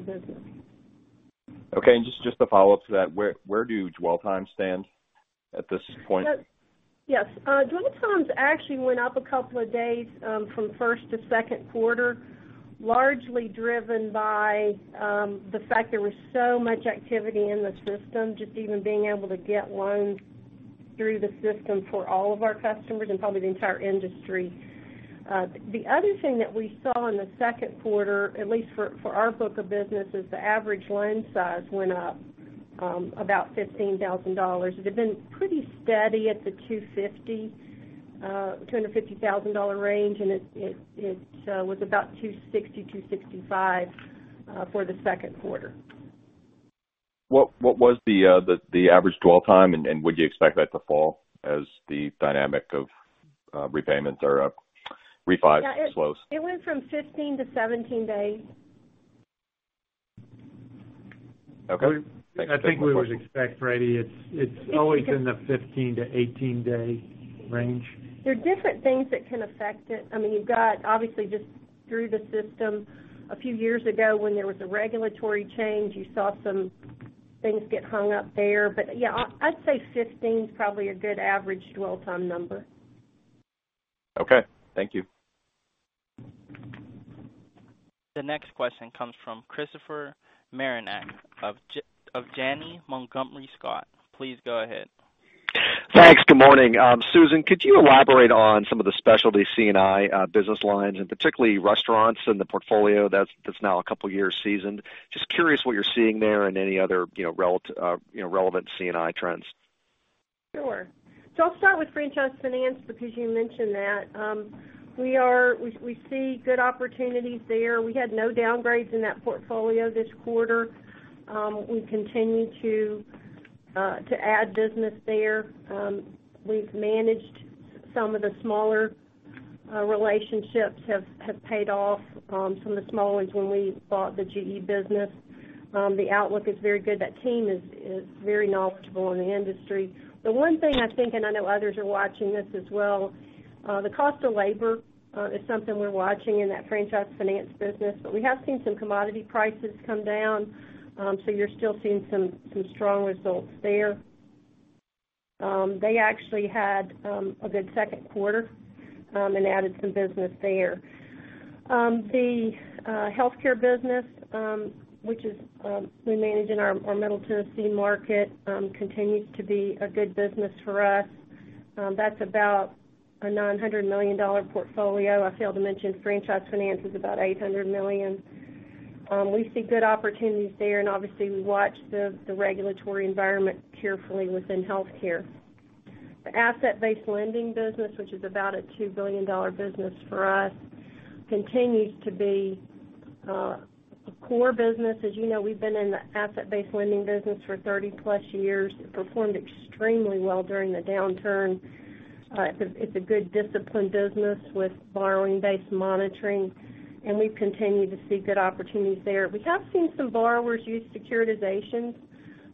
business. Okay, just a follow-up to that. Where do dwell times stand at this point? Yes. Dwell times actually went up a couple of days from first to second quarter, largely driven by the fact there was so much activity in the system, just even being able to get loans through the system for all of our customers and probably the entire industry. The other thing that we saw in the second quarter, at least for our book of business, is the average loan size went up about $15,000. It had been pretty steady at the $250,000 range. It was about $260,000-$265,000 for the second quarter. What was the average dwell time, and would you expect that to fall as the dynamic of repayments or refis slows? It went from 15 days to 17 days. Okay. I think we would expect, [Michael], it's always in the 15-day to 18-day range. There are different things that can affect it. You've got, obviously, just through the system a few years ago when there was a regulatory change, you saw some things get hung up there. Yeah, I'd say 15 days is probably a good average dwell time number. Okay. Thank you. The next question comes from Christopher Marinac of Janney Montgomery Scott, please go ahead. Thanks. Good morning? Susan, could you elaborate on some of the specialty C&I business lines, and particularly restaurants in the portfolio that's now a couple years seasoned? Just curious what you're seeing there and any other relevant C&I trends. Sure. I'll start with franchise finance because you mentioned that. We see good opportunities there. We had no downgrades in that portfolio this quarter. We continue to add business there. We've managed some of the smaller relationships have paid off, some of the small ones when we bought the GE business. The outlook is very good. That team is very knowledgeable in the industry. The one thing I think, and I know others are watching this as well, the cost of labor is something we're watching in that franchise finance business. We have seen some commodity prices come down, you're still seeing some strong results there. They actually had a good second quarter and added some business there. The healthcare business, which we manage in our Middle Tennessee market, continues to be a good business for us. That's about a $900 million portfolio. I failed to mention franchise finance is about $800 million. We see good opportunities there, obviously we watch the regulatory environment carefully within healthcare. The asset-based lending business, which is about a $2 billion business for us, continues to be a core business. As you know, we've been in the asset-based lending business for 30+ years. It performed extremely well during the downturn. It's a good discipline business with borrowing-based monitoring, and we continue to see good opportunities there. We have seen some borrowers use securitizations,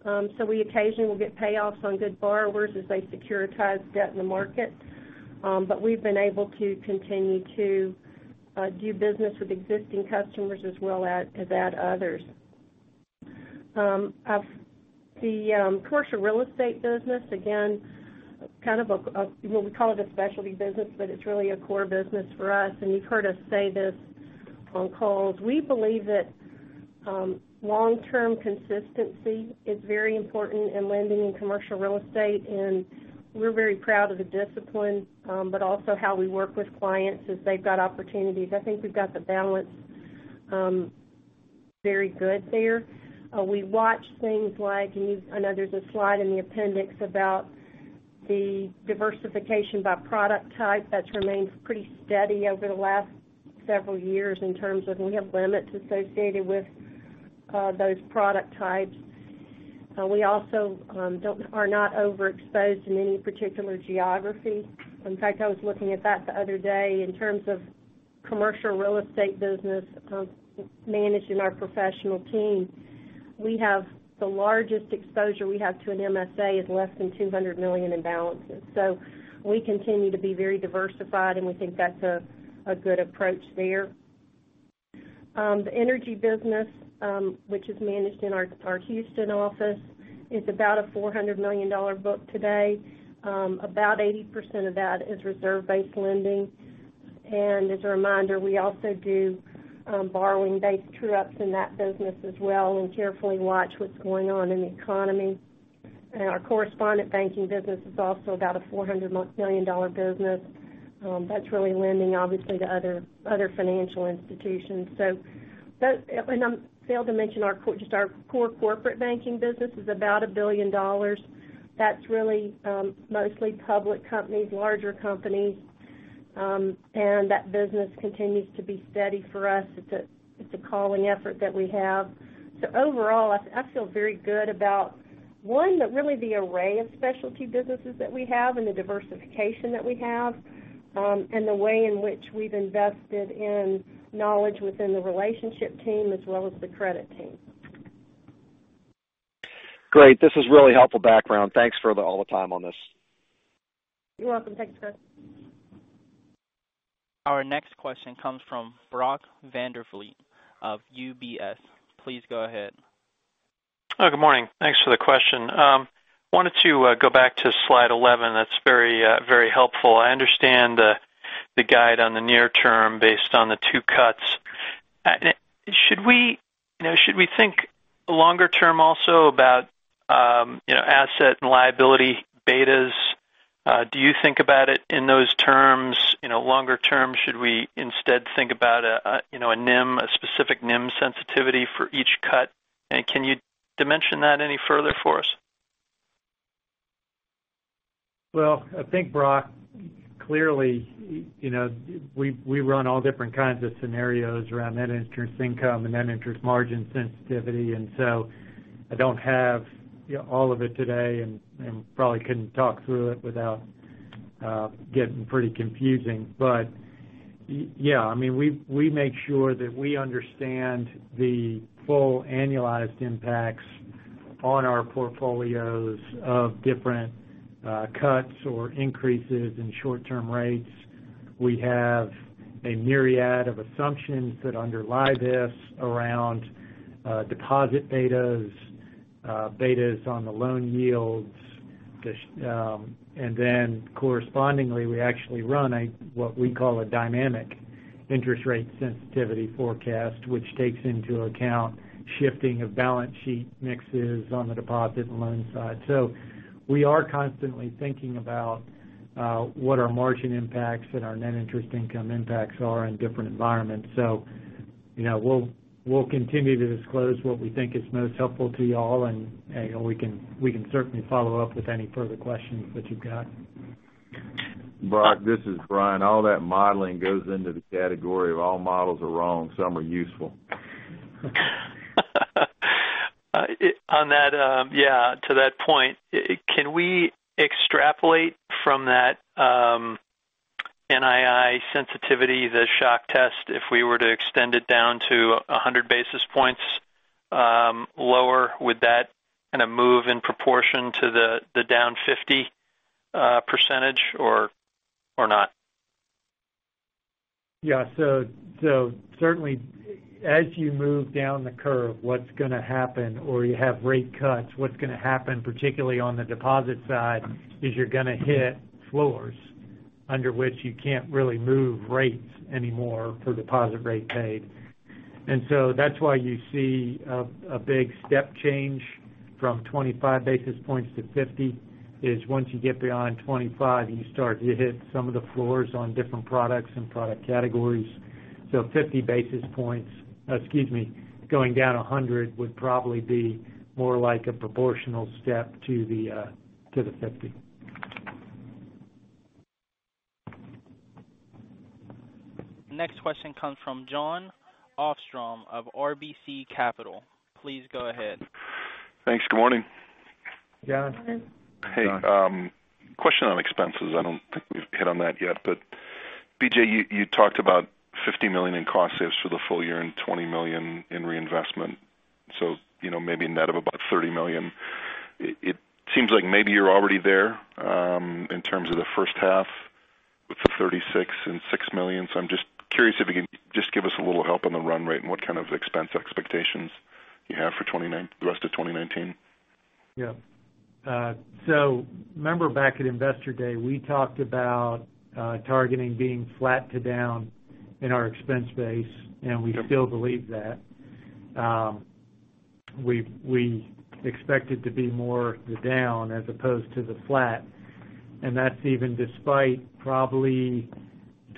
so we occasionally will get payoffs on good borrowers as they securitize debt in the market. We've been able to continue to do business with existing customers as well as add others. The commercial real estate business, again, we call it a specialty business, but it's really a core business for us. You've heard us say this on calls. We believe that long-term consistency is very important in lending in commercial real estate, and we're very proud of the discipline, but also how we work with clients as they've got opportunities. I think we've got the balance very good there. We watch things like I know there's a slide in the appendix about the diversification by product type. That's remained pretty steady over the last several years in terms of we have limits associated with those product types. We also are not overexposed in any particular geography. In fact, I was looking at that the other day in terms of commercial real estate business managed in our professional team. The largest exposure we have to an MSA is less than $200 million in balances. We continue to be very diversified, and we think that's a good approach there. The energy business, which is managed in our Houston office, is about a $400 million book today. About 80% of that is reserve-based lending. As a reminder, we also do borrowing-based true-ups in that business as well and carefully watch what's going on in the economy. Our correspondent banking business is also about a $400 million business. That's really lending, obviously, to other financial institutions. I failed to mention our core corporate banking business is about $1 billion. That's really mostly public companies, larger companies. That business continues to be steady for us. It's a calling effort that we have. Overall, I feel very good about, one, really the array of specialty businesses that we have and the diversification that we have, and the way in which we've invested in knowledge within the relationship team as well as the credit team. Great. This is really helpful background. Thanks for all the time on this. You're welcome. Thanks, Christopher. Our next question comes from Brock Vandervliet of UBS, please go ahead. Good morning? Thanks for the question. Wanted to go back to slide 11. That's very helpful. I understand the guide on the near term based on the two cuts. Should we think longer term also about asset and liability betas? Do you think about it in those terms, longer term, should we instead think about a name, a specific name for each cut? Can you dimension that any further for us? Well, I think, Brock, clearly, we run all different kinds of scenarios around net interest income and net interest margin sensitivity, and so I don't have all of it today and probably couldn't talk through it without getting pretty confusing. Yeah, we make sure that we understand the full annualized impacts on our portfolios of different cuts or increases in short-term rates. We have a myriad of assumptions that underlie this around deposit betas on the loan yields. Then correspondingly, we actually run what we call a dynamic interest rate sensitivity forecast, which takes into account shifting of balance sheet mixes on the deposit and loan side. We are constantly thinking about what our margin impacts and our net interest income impacts are in different environments. We'll continue to disclose what we think is most helpful to you all, and we can certainly follow up with any further questions that you've got. Brock, this is Bryan. All that modeling goes into the category of all models are wrong, some are useful. To that point, can we extrapolate from that NII sensitivity, the shock test, if we were to extend it down to 100 basis points lower? Would that move in proportion to the down 50 percentage points? Yeah. Certainly, as you move down the curve, what's going to happen, or you have rate cuts, what's going to happen, particularly on the deposit side, is you're going to hit floors under which you can't really move rates anymore for deposit rate paid. That's why you see a big step change from 25 basis points to 50 basis points, is once you get beyond 25 basis points, you start to hit some of the floors on different products and product categories. 50 basis points-- excuse me, going down 100 basis points would probably be more like a proportional step to the 50 percentage points. Next question comes from Jon Arfstrom of RBC Capital, please go ahead. Thanks. Good morning? John. Hey. Question on expenses. I don't think we've hit on that yet, BJ, you talked about $50 million in cost saves for the full year and $20 million in reinvestment. Maybe a net of about $30 million. It seems like maybe you're already there, in terms of the first half with the $36 million and $6 million. I'm just curious if you can just give us a little help on the run rate and what kind of expense expectations you have for the rest of 2019. Remember back at Investor Day, we talked about targeting being flat to down in our expense base, and we still believe that. We expect it to be more the down as opposed to the flat. That's even despite probably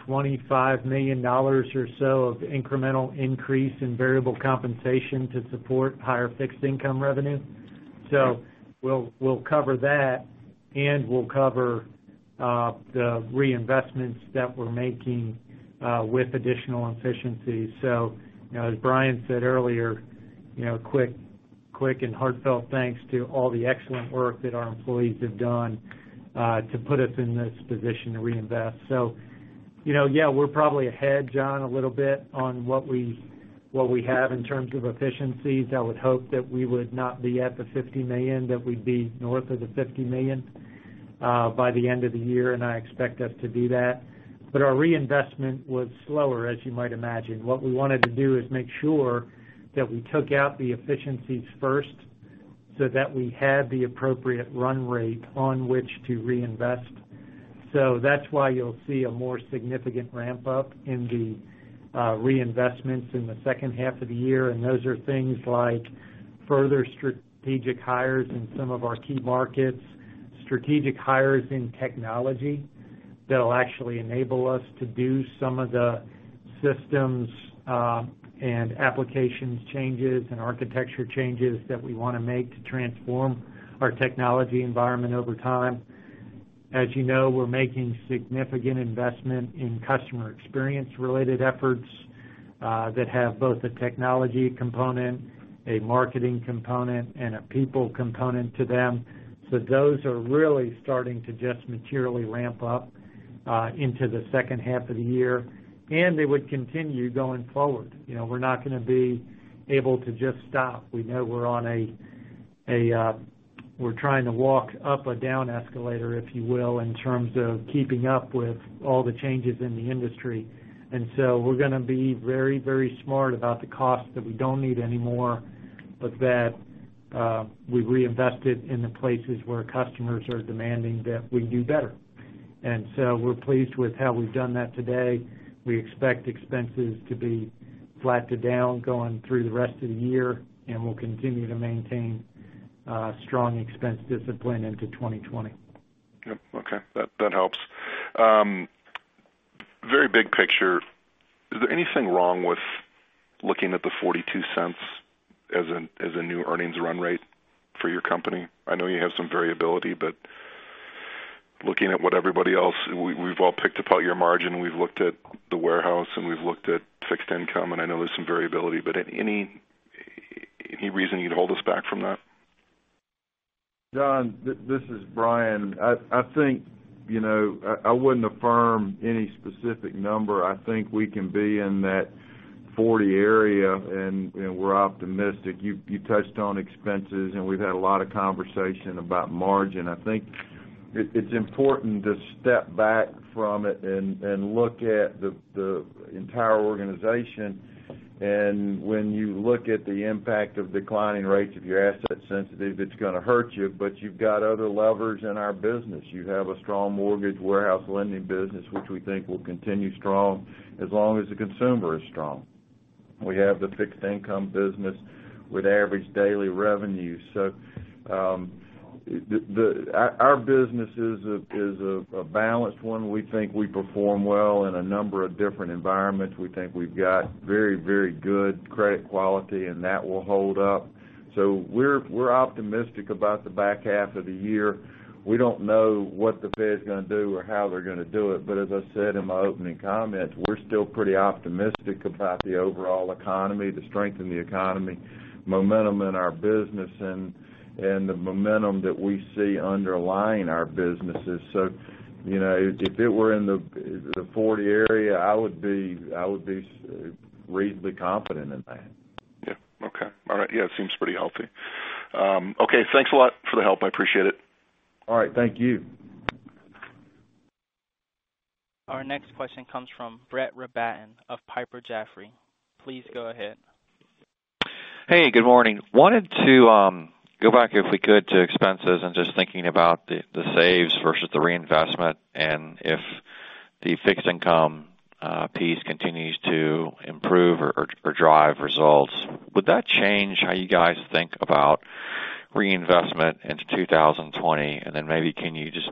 $25 million or so of incremental increase in variable compensation to support higher fixed income revenue. We'll cover that, and we'll cover the reinvestments that we're making with additional efficiencies. As Bryan said earlier, quick and heartfelt thanks to all the excellent work that our employees have done to put us in this position to reinvest. Yeah, we're probably ahead, Jon, a little bit on what we have in terms of efficiencies. I would hope that we would not be at the $50 million, that we'd be north of the $50 million by the end of the year, and I expect us to do that. Our reinvestment was slower, as you might imagine. What we wanted to do is make sure that we took out the efficiencies first so that we had the appropriate run rate on which to reinvest. That's why you'll see a more significant ramp-up in the reinvestments in the second half of the year, and those are things like further strategic hires in some of our key markets, strategic hires in technology that'll actually enable us to do some of the systems and applications changes and architecture changes that we want to make to transform our technology environment over time. As you know, we're making significant investment in customer experience-related efforts that have both a technology component, a marketing component, and a people component to them. Those are really starting to just materially ramp up into the second half of the year, and they would continue going forward. We're not going to be able to just stop. We know we're trying to walk up a down escalator, if you will, in terms of keeping up with all the changes in the industry. We're going to be very, very smart about the costs that we don't need anymore, but that we've reinvested in the places where customers are demanding that we do better. We're pleased with how we've done that today. We expect expenses to be flat to down going through the rest of the year, and we'll continue to maintain strong expense discipline into 2020. Yep. Okay. That helps. Very big picture, is there anything wrong with looking at the $0.42 as a new earnings run rate for your company? I know you have some variability, but looking at what we've all picked apart your margin. We've looked at the warehouse, and we've looked at fixed income, and I know there's some variability, but any reason you'd hold us back from that? Jon, this is Bryan. I think I wouldn't affirm any specific number. I think we can be in that 40 area, and we're optimistic. You touched on expenses, and we've had a lot of conversation about margin. I think it's important to step back from it and look at the entire organization. When you look at the impact of declining rates, if you're asset sensitive, it's going to hurt you, but you've got other levers in our business. You have a strong mortgage warehouse lending business, which we think will continue strong as long as the consumer is strong. We have the fixed income business with average daily revenue. Our business is a balanced one. We think we perform well in a number of different environments. We think we've got very, very good credit quality, and that will hold up. We're optimistic about the back half of the year. We don't know what the Fed's going to do or how they're going to do it, as I said in my opening comments, we're still pretty optimistic about the overall economy, the strength in the economy, momentum in our business, and the momentum that we see underlying our businesses. If it were in the 40 area, I would be reasonably confident in that. Yeah. Okay. All right. Yeah, it seems pretty healthy. Okay, thanks a lot for the help. I appreciate it. All right. Thank you. Our next question comes from Brett Rabatin of Piper Jaffray, please go ahead. Hey, good morning? Wanted to go back, if we could, to expenses and just thinking about the saves versus the reinvestment and if the fixed income piece continues to improve or drive results, would that change how you guys think about reinvestment into 2020? Maybe can you just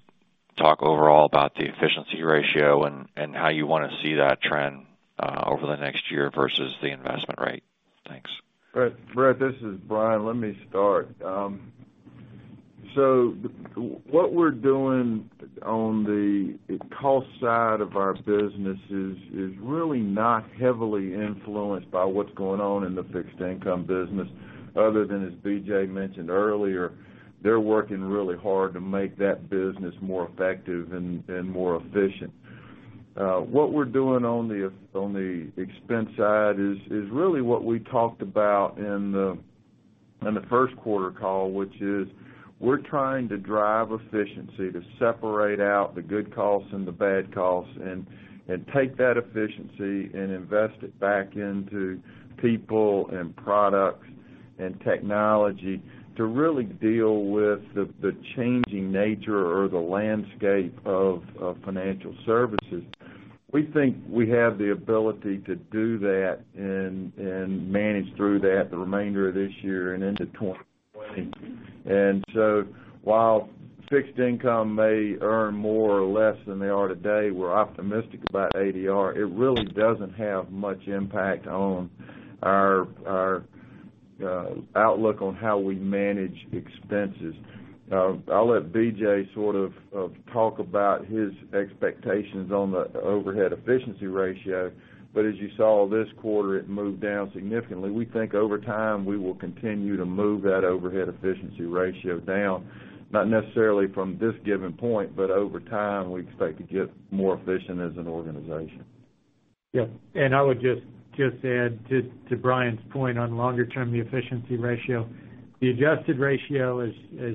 talk overall about the efficiency ratio and how you want to see that trend over the next year versus the investment rate? Thanks. Brett, this is Bryan. Let me start. What we're doing on the cost side of our business is really not heavily influenced by what's going on in the fixed income business other than, as BJ mentioned earlier, they're working really hard to make that business more effective and more efficient. What we're doing on the expense side is really what we talked about in the first quarter call, which is we're trying to drive efficiency to separate out the good costs and the bad costs and take that efficiency and invest it back into people and products and technology to really deal with the changing nature or the landscape of financial services. We think we have the ability to do that and manage through that the remainder of this year and into 2020. While fixed income may earn more or less than they are today, we're optimistic about ADR. It really doesn't have much impact on our outlook on how we manage expenses. I'll let BJ talk about his expectations on the overhead efficiency ratio. As you saw this quarter, it moved down significantly. We think over time, we will continue to move that overhead efficiency ratio down, not necessarily from this given point, but over time, we expect to get more efficient as an organization. Yes. I would just add to Bryan's point on longer term, the efficiency ratio, the adjusted ratio as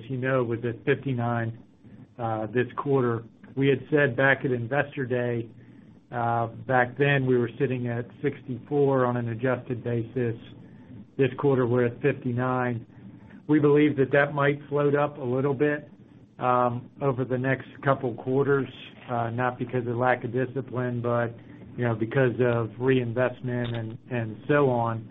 you know, was at 59% this quarter. We had said back at Investor Day, back then we were sitting at 64% on an adjusted basis. This quarter we're at 59%. We believe that that might float up a little bit over the next couple quarters, not because of lack of discipline, but because of reinvestment and so on.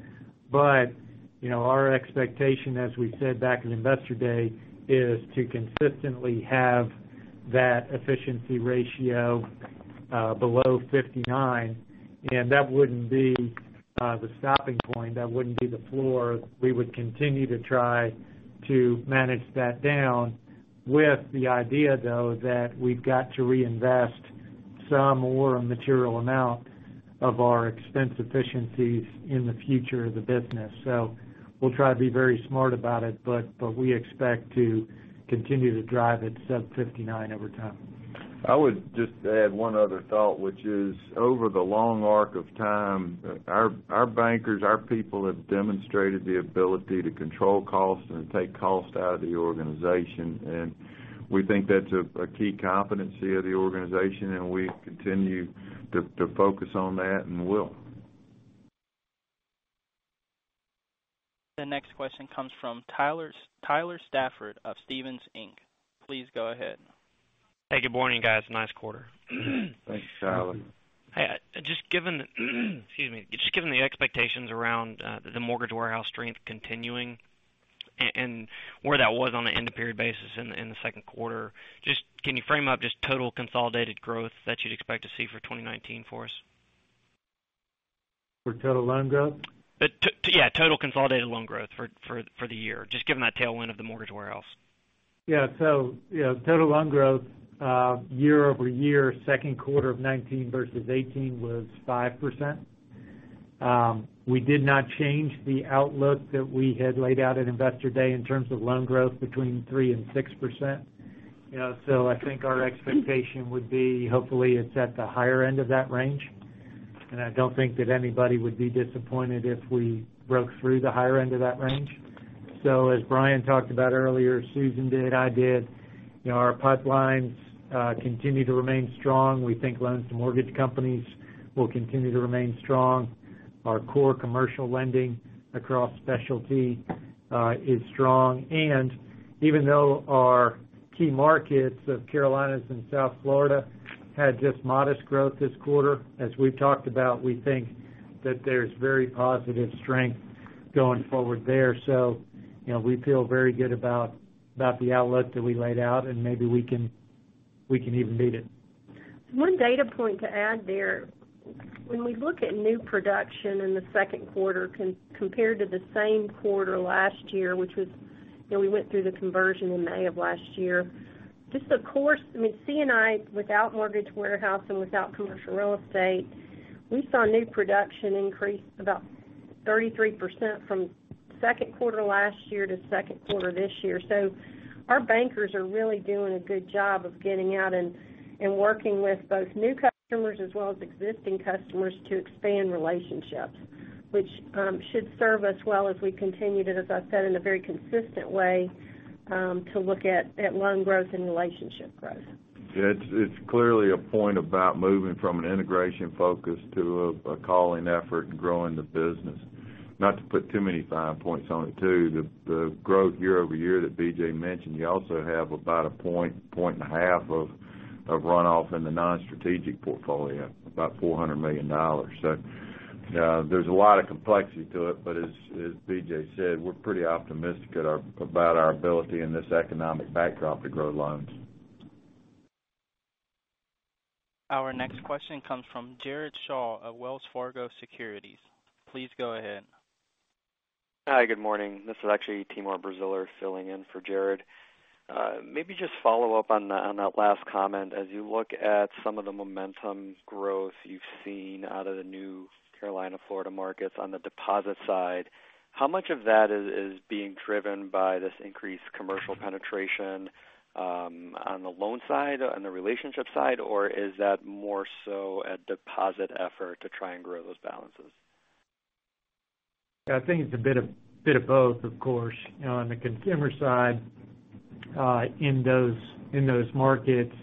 Our expectation, as we said back at Investor Day, is to consistently have that efficiency ratio below 59%, and that wouldn't be the stopping point, that wouldn't be the floor. We would continue to try to manage that down with the idea, though, that we've got to reinvest some or a material amount of our expense efficiencies in the future of the business. We'll try to be very smart about it, but we expect to continue to drive it sub 59% over time. I would just add one other thought, which is over the long arc of time, our bankers, our people have demonstrated the ability to control costs and take costs out of the organization. We think that's a key competency of the organization, and we continue to focus on that and will. The next question comes from Tyler Stafford of Stephens Inc, please go ahead. Hey, good morning guys? Nice quarter. Thanks, Tyler. Excuse me. Just given the expectations around the mortgage warehouse strength continuing and where that was on the end of period basis in the second quarter, can you frame up just total consolidated growth that you'd expect to see for 2019 for us? For total loan growth? Yeah, total consolidated loan growth for the year, just given that tailwind of the mortgage warehouse. Yeah. Total loan growth year-over-year, second quarter of 2019 versus 2018 was 5%. We did not change the outlook that we had laid out at Investor Day in terms of loan growth between 3% and 6%. I think our expectation would be hopefully it's at the higher end of that range, and I don't think that anybody would be disappointed if we broke through the higher end of that range. As Bryan talked about earlier, Susan did, I did, our pipelines continue to remain strong. We think loans to mortgage companies will continue to remain strong. Our core commercial lending across specialty is strong. Even though our key markets of Carolinas and South Florida had just modest growth this quarter, as we've talked about, we think that there's very positive strength going forward there. We feel very good about the outlook that we laid out, and maybe we can even beat it. One data point to add there. When we look at new production in the second quarter compared to the same quarter last year, we went through the conversion in May of last year. Just the course, C&I without mortgage warehouse and without commercial real estate, we saw new production increase about 33% from second quarter last year to second quarter this year. Our bankers are really doing a good job of getting out and working with both new customers as well as existing customers to expand relationships. Which should serve us well as we continue to, as I said, in a very consistent way, to look at loan growth and relationship growth. It's clearly a point about moving from an integration focus to a calling effort and growing the business. Not to put too many fine points on it, too, the growth year-over-year that BJ mentioned, you also have about a point and a half of runoff in the non-strategic portfolio, about $400 million. There's a lot of complexity to it, but as BJ said, we're pretty optimistic about our ability in this economic backdrop to grow loans. Our next question comes from Jared Shaw at Wells Fargo Securities, please go ahead. Hi, good morning? This is actually Timur Braziler filling in for Jared. Maybe just follow up on that last comment. As you look at some of the momentum growth you've seen out of the new Carolina, Florida markets on the deposit side, how much of that is being driven by this increased commercial penetration on the loan side, on the relationship side, or is that more so a deposit effort to try and grow those balances? I think it's a bit of both, of course. On the consumer side, in those markets,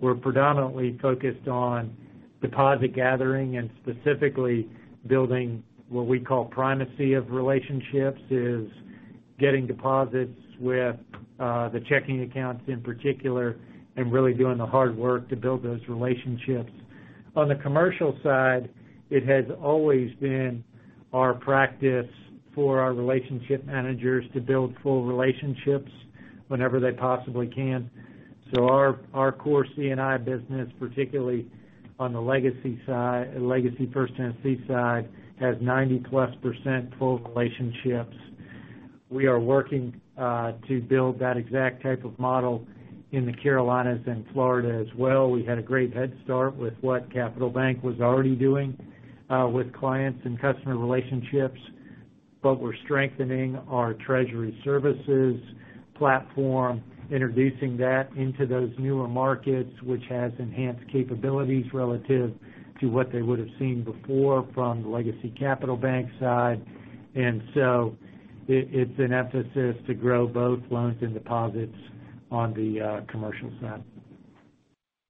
we're predominantly focused on deposit gathering and specifically building what we call primacy of relationships, is getting deposits with the checking accounts in particular, and really doing the hard work to build those relationships. On the commercial side, it has always been our practice for our relationship managers to build full relationships whenever they possibly can. Our core C&I business, particularly on the legacy First Tennessee side, has 90+% full relationships. We are working to build that exact type of model in the Carolinas and Florida as well. We had a great head start with what Capital Bank was already doing with clients and customer relationships, but we're strengthening our treasury services platform, introducing that into those newer markets, which has enhanced capabilities relative to what they would've seen before from the legacy Capital Bank side. It's an emphasis to grow both loans and deposits on the commercial side.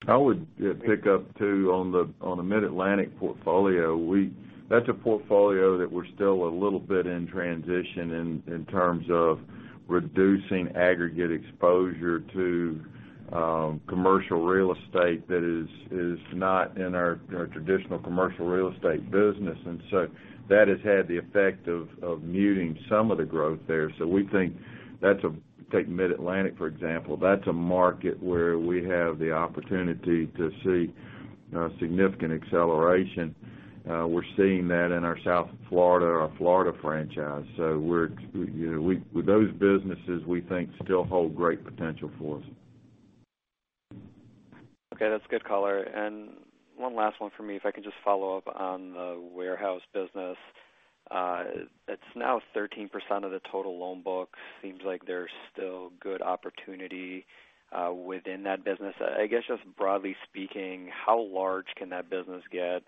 I would pick up, too, on the Mid-Atlantic portfolio. That's a portfolio that we're still a little bit in transition in terms of reducing aggregate exposure to commercial real estate that is not in our traditional commercial real estate business. That has had the effect of muting some of the growth there. We think, take Mid-Atlantic, for example, that's a market where we have the opportunity to see significant acceleration. We're seeing that in our South Florida or Florida franchise. Those businesses, we think, still hold great potential for us. Okay. That's a good color. One last one for me, if I could just follow up on the warehouse business. It's now 13% of the total loan book. Seems like there's still good opportunity within that business. I guess, just broadly speaking, how large can that business get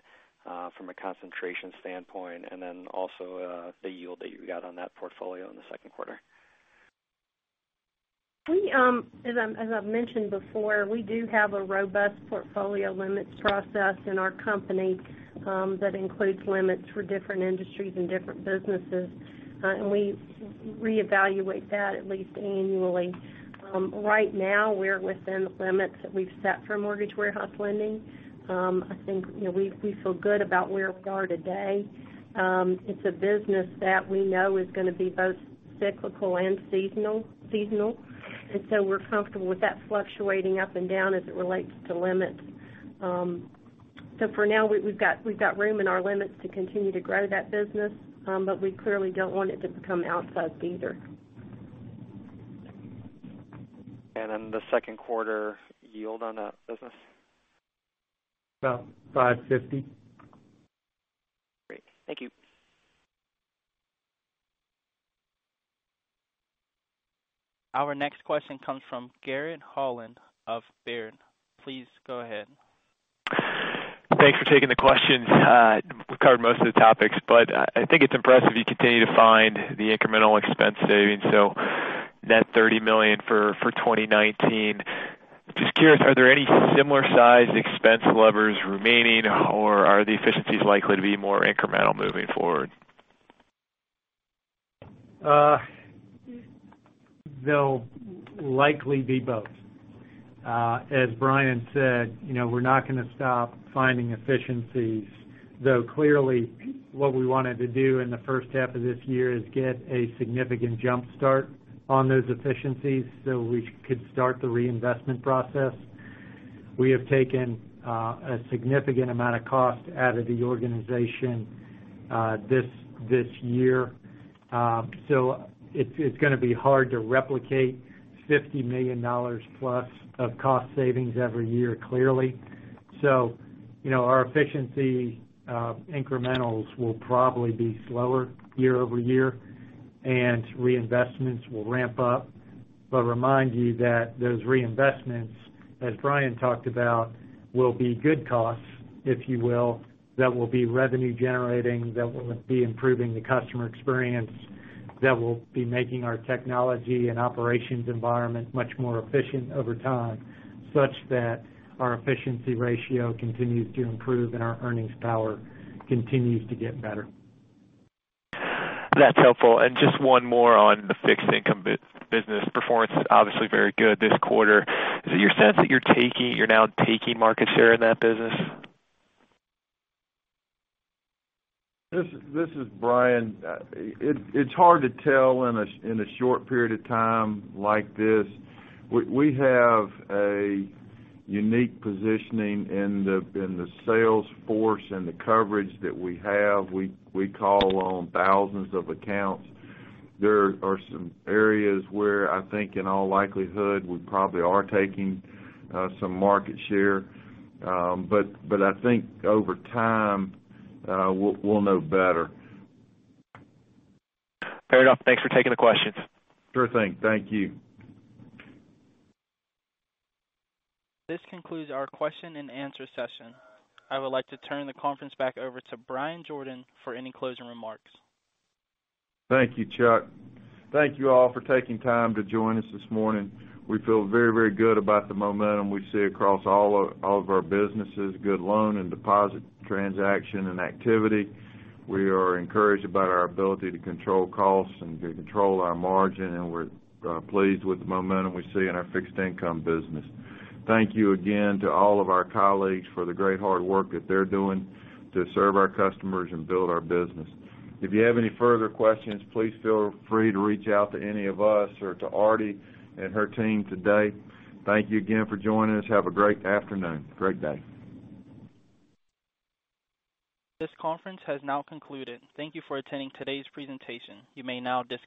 from a concentration standpoint, and then also the yield that you got on that portfolio in the second quarter? As I've mentioned before, we do have a robust portfolio limits process in our company that includes limits for different industries and different businesses. We reevaluate that at least annually. Right now, we're within the limits that we've set for mortgage warehouse lending. I think we feel good about where we are today. It's a business that we know is going to be both cyclical and seasonal. We're comfortable with that fluctuating up and down as it relates to limits. For now, we've got room in our limits to continue to grow that business, but we clearly don't want it to become outsized either. The second quarter yield on that business? About 550. Great. Thank you. Our next question comes from Garrett Holland of Baird, please go ahead. Thanks for taking the questions. We've covered most of the topics, but I think it's impressive you continue to find the incremental expense savings, so net $30 million for 2019. Just curious, are there any similar-sized expense levers remaining, or are the efficiencies likely to be more incremental moving forward? They'll likely be both. As Bryan said, we're not going to stop finding efficiencies, though, clearly, what we wanted to do in the first half of this year is get a significant jump start on those efficiencies so we could start the reinvestment process. We have taken a significant amount of cost out of the organization this year. It's going to be hard to replicate $50 million-plus of cost savings every year, clearly. Our efficiency incrementals will probably be slower year-over-year, and reinvestments will ramp up. Remind you that those reinvestments, as Bryan talked about, will be good costs, if you will, that will be revenue generating, that will be improving the customer experience, that will be making our technology and operations environment much more efficient over time, such that our efficiency ratio continues to improve and our earnings power continues to get better. That's helpful. Just one more on the fixed income business. Performance obviously very good this quarter. Is it your sense that you're now taking market share in that business? This is Bryan. It's hard to tell in a short period of time like this. We have a unique positioning in the sales force and the coverage that we have. We call on thousands of accounts. There are some areas where I think, in all likelihood, we probably are taking some market share. I think over time, we'll know better. Fair enough. Thanks for taking the questions. Sure thing. Thank you. This concludes our question-and-answer session. I would like to turn the conference back over to Bryan Jordan for any closing remarks. Thank you, Chuck. Thank you all for taking time to join us this morning. We feel very, very good about the momentum we see across all of our businesses, good loan and deposit transaction and activity. We are encouraged about our ability to control costs and to control our margin, and we're pleased with the momentum we see in our fixed income business. Thank you again to all of our colleagues for the great hard work that they're doing to serve our customers and build our business. If you have any further questions, please feel free to reach out to any of us or to Aarti and her team today. Thank you again for joining us. Have a great afternoon. Great day. This conference has now concluded. Thank you for attending today's presentation. You may now disconnect.